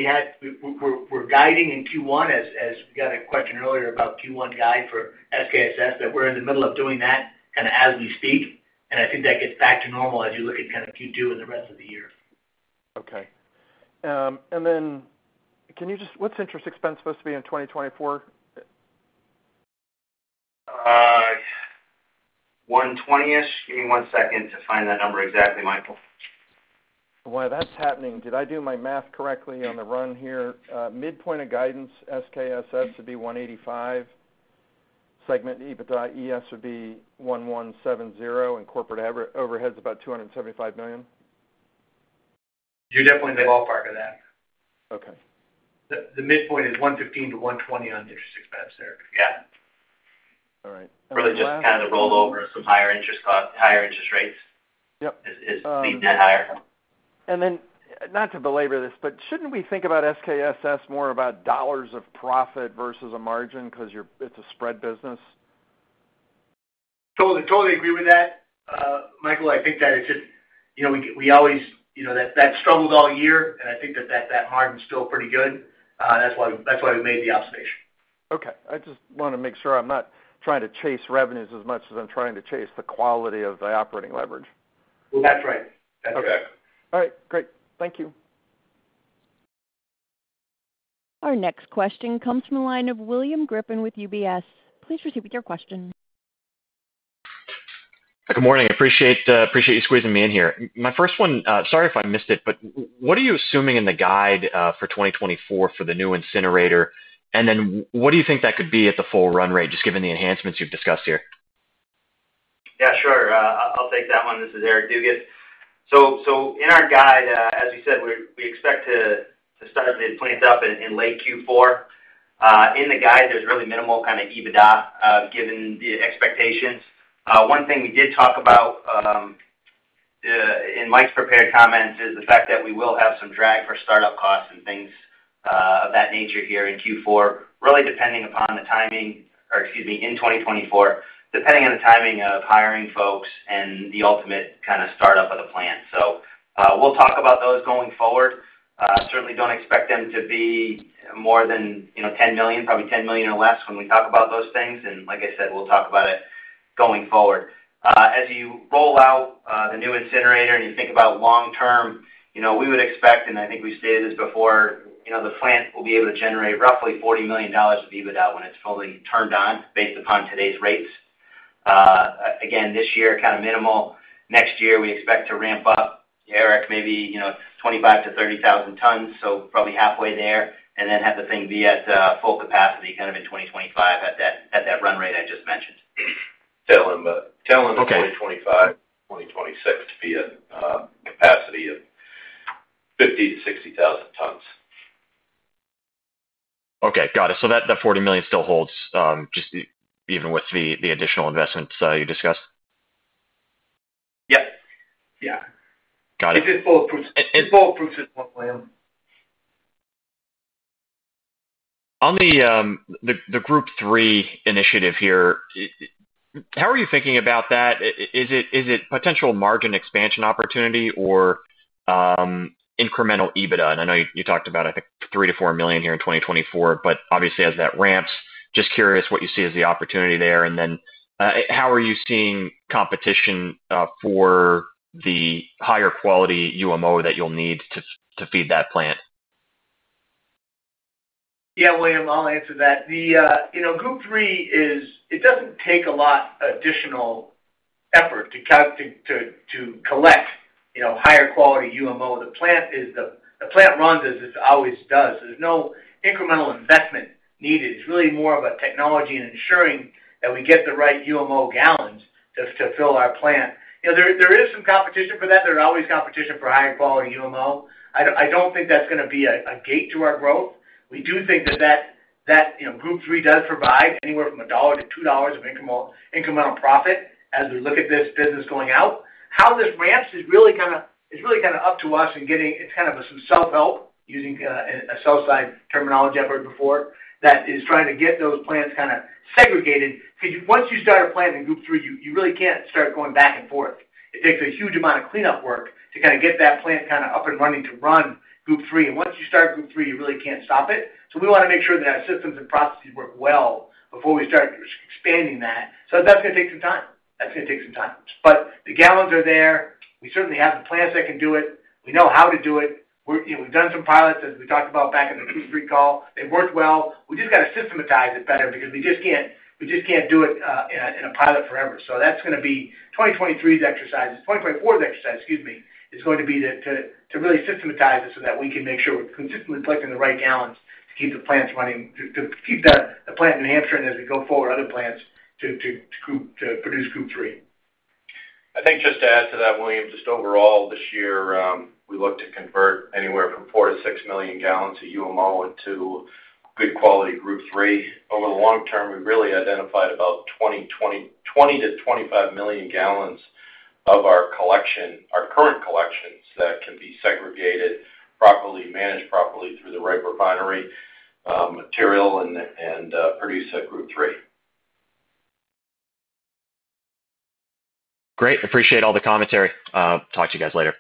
we're guiding in Q1 as we got a question earlier about Q1 guide for SKSS, that we're in the middle of doing that kind of as we speak. And I think that gets back to normal as you look at kind of Q2 and the rest of the year. Okay. And then can you just what's interest expense supposed to be in 2024? 1/20. Give me one second to find that number exactly, Michael. While that's happening, did I do my math correctly on the run here? Midpoint of guidance, SKSS, would be $185 million. Segment ES would be $1,170 million, and corporate overheads about $275 million. You're definitely in the ballpark of that. Okay. The midpoint is 115-120 on interest expense, Eric. Yeah. All right. And then last. Really just kind of the rollover of some higher interest cost, higher interest rates. Yep. Is the net higher? And then not to belabor this, but shouldn't we think about SKSS more about dollars of profit versus a margin because it's a spread business? Totally, totally agree with that. Michael, I think that it's just, you know, we always, you know, that struggled all year, and I think that margin's still pretty good. That's why we made the observation. Okay. I just want to make sure I'm not trying to chase revenues as much as I'm trying to chase the quality of the operating leverage. Well, that's right. That's right. Okay. All right. Great. Thank you. Our next question comes from the line of William Grippin with UBS. Please proceed with your question. Good morning. I appreciate you squeezing me in here. My first one—sorry if I missed it—but what are you assuming in the guide for 2024 for the new incinerator? And then what do you think that could be at the full run rate, just given the enhancements you've discussed here? Yeah, sure. I'll, I'll take that one. This is Eric Dugas. So, so in our guide, as we said, we, we expect to, to start to ramp up in, in late Q4. In the guide, there's really minimal kind of EBITDA, given the expectations. One thing we did talk about, in Mike's prepared comments is the fact that we will have some drag for startup costs and things, of that nature here in Q4, really depending upon the timing or excuse me, in 2024, depending on the timing of hiring folks and the ultimate kind of startup of the plant. So, we'll talk about those going forward. Certainly don't expect them to be more than, you know, $10 million, probably $10 million or less when we talk about those things. And like I said, we'll talk about it going forward. As you roll out the new incinerator and you think about long term, you know, we would expect and I think we've stated this before, you know, the plant will be able to generate roughly $40 million of EBITDA when it's fully turned on based upon today's rates. Again, this year, kind of minimal. Next year, we expect to ramp up, Eric, maybe, you know, 25,000-30,000 tons, so probably halfway there, and then have the thing be at full capacity kind of in 2025 at that at that run rate I just mentioned. Tell them, tell them 2025, 2026 to be at capacity of 50,000-60,000 tons. Okay. Got it. So that $40 million still holds, just even with the additional investments you discussed? Yep. Yeah. Got it. It just bulletproofs it, it bulletproofs it, William. On the Group III initiative here, how are you thinking about that? Is it potential margin expansion opportunity or incremental EBITDA? And I know you talked about, I think, $3 million-$4 million here in 2024, but obviously, as that ramps, just curious what you see as the opportunity there. And then, how are you seeing competition for the higher quality UMO that you'll need to feed that plant? Yeah, William. I'll answer that. You know, Group III, it doesn't take a lot additional effort to collect, you know, higher quality UMO. The plant runs as it always does. There's no incremental investment needed. It's really more of a technology and ensuring that we get the right UMO gallons to fill our plant. You know, there is some competition for that. There's always competition for higher quality UMO. I don't think that's going to be a gate to our growth. We do think that, you know, Group III does provide anywhere from $1-$2 of incremental profit as we look at this business going out. How this ramps is really kind of it's really kind of up to us in getting it's kind of some self-help, using a sell-side terminology I've heard before, that is trying to get those plants kind of segregated because once you start a plant in Group III, you really can't start going back and forth. It takes a huge amount of cleanup work to kind of get that plant kind of up and running to run Group III. And once you start Group III, you really can't stop it. So we want to make sure that our systems and processes work well before we start expanding that. So that's going to take some time. That's going to take some time. But the gallons are there. We certainly have the plants that can do it. We know how to do it. We, you know, we've done some pilots, as we talked about back in the Q3 call. They've worked well. We just got to systematize it better because we just can't do it in a pilot forever. So that's going to be 2023's exercise, 2024's exercise, excuse me, is going to be to really systematize it so that we can make sure we're consistently collecting the right gallons to keep the plants running to keep the plant in New Hampshire and, as we go forward, other plants to Group II to produce Group III. I think just to add to that, William, just overall, this year, we look to convert anywhere from 4-6 million gallons of UMO into good quality Group III. Over the long term, we've really identified about 20-25 million gallons of our collection, our current collections, that can be segregated properly, managed properly through the right refinery, material and produce at Group III. Great. Appreciate all the commentary. Talk to you guys later.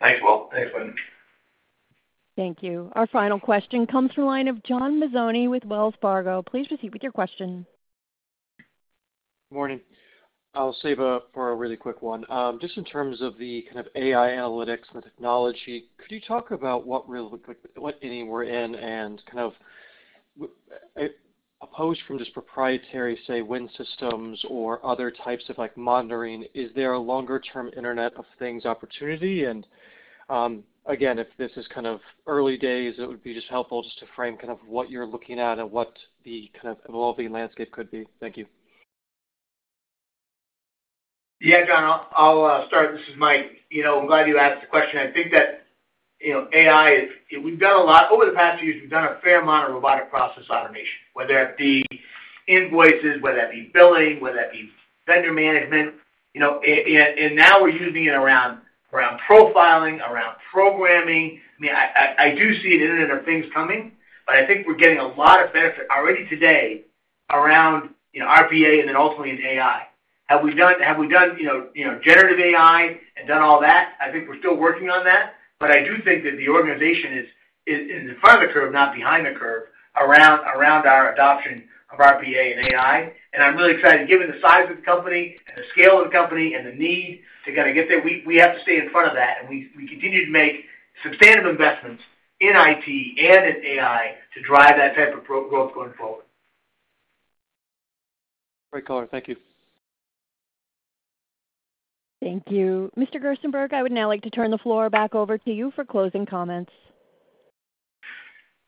Thanks, Will. Thanks, Wayne. Thank you. Our final question comes from the line of John Mazzoni with Wells Fargo. Please proceed with your question. Good morning. I'll save one for a really quick one. Just in terms of the kind of AI analytics and the technology, could you talk about what really looked like, what any were in, and kind of opposed to just proprietary, say, WIN systems or other types of, like, monitoring. Is there a longer-term Internet of Things opportunity? And, again, if this is kind of early days, it would be just helpful just to frame kind of what you're looking at and what the kind of evolving landscape could be. Thank you. Yeah, John. I'll start. This is Mike. You know, I'm glad you asked the question. I think that, you know, AI, we've done a lot over the past years. We've done a fair amount of robotic process automation, whether that be invoices, whether that be billing, whether that be vendor management. You know, and now we're using it around profiling, around programming. I mean, I do see an Internet of Things coming, but I think we're getting a lot of benefit already today around, you know, RPA and then ultimately in AI. Have we done, you know, generative AI and done all that? I think we're still working on that. But I do think that the organization is in front of the curve, not behind the curve, around our adoption of RPA and AI. And I'm really excited, given the size of the company and the scale of the company and the need to kind of get there, we, we have to stay in front of that. And we, we continue to make substantive investments in IT and in AI to drive that type of growth going forward. Great color. Thank you. Thank you. Mr. Gerstenberg, I would now like to turn the floor back over to you for closing comments.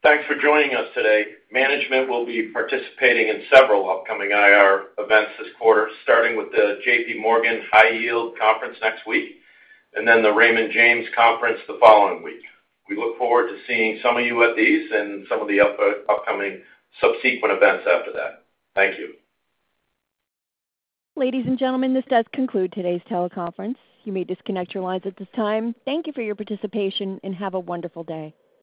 Thanks for joining us today. Management will be participating in several upcoming IR events this quarter, starting with the JPMorgan High Yield Conference next week and then the Raymond James Conference the following week. We look forward to seeing some of you at these and some of the upcoming subsequent events after that. Thank you. Ladies and gentlemen, this does conclude today's teleconference. You may disconnect your lines at this time. Thank you for your participation, and have a wonderful day.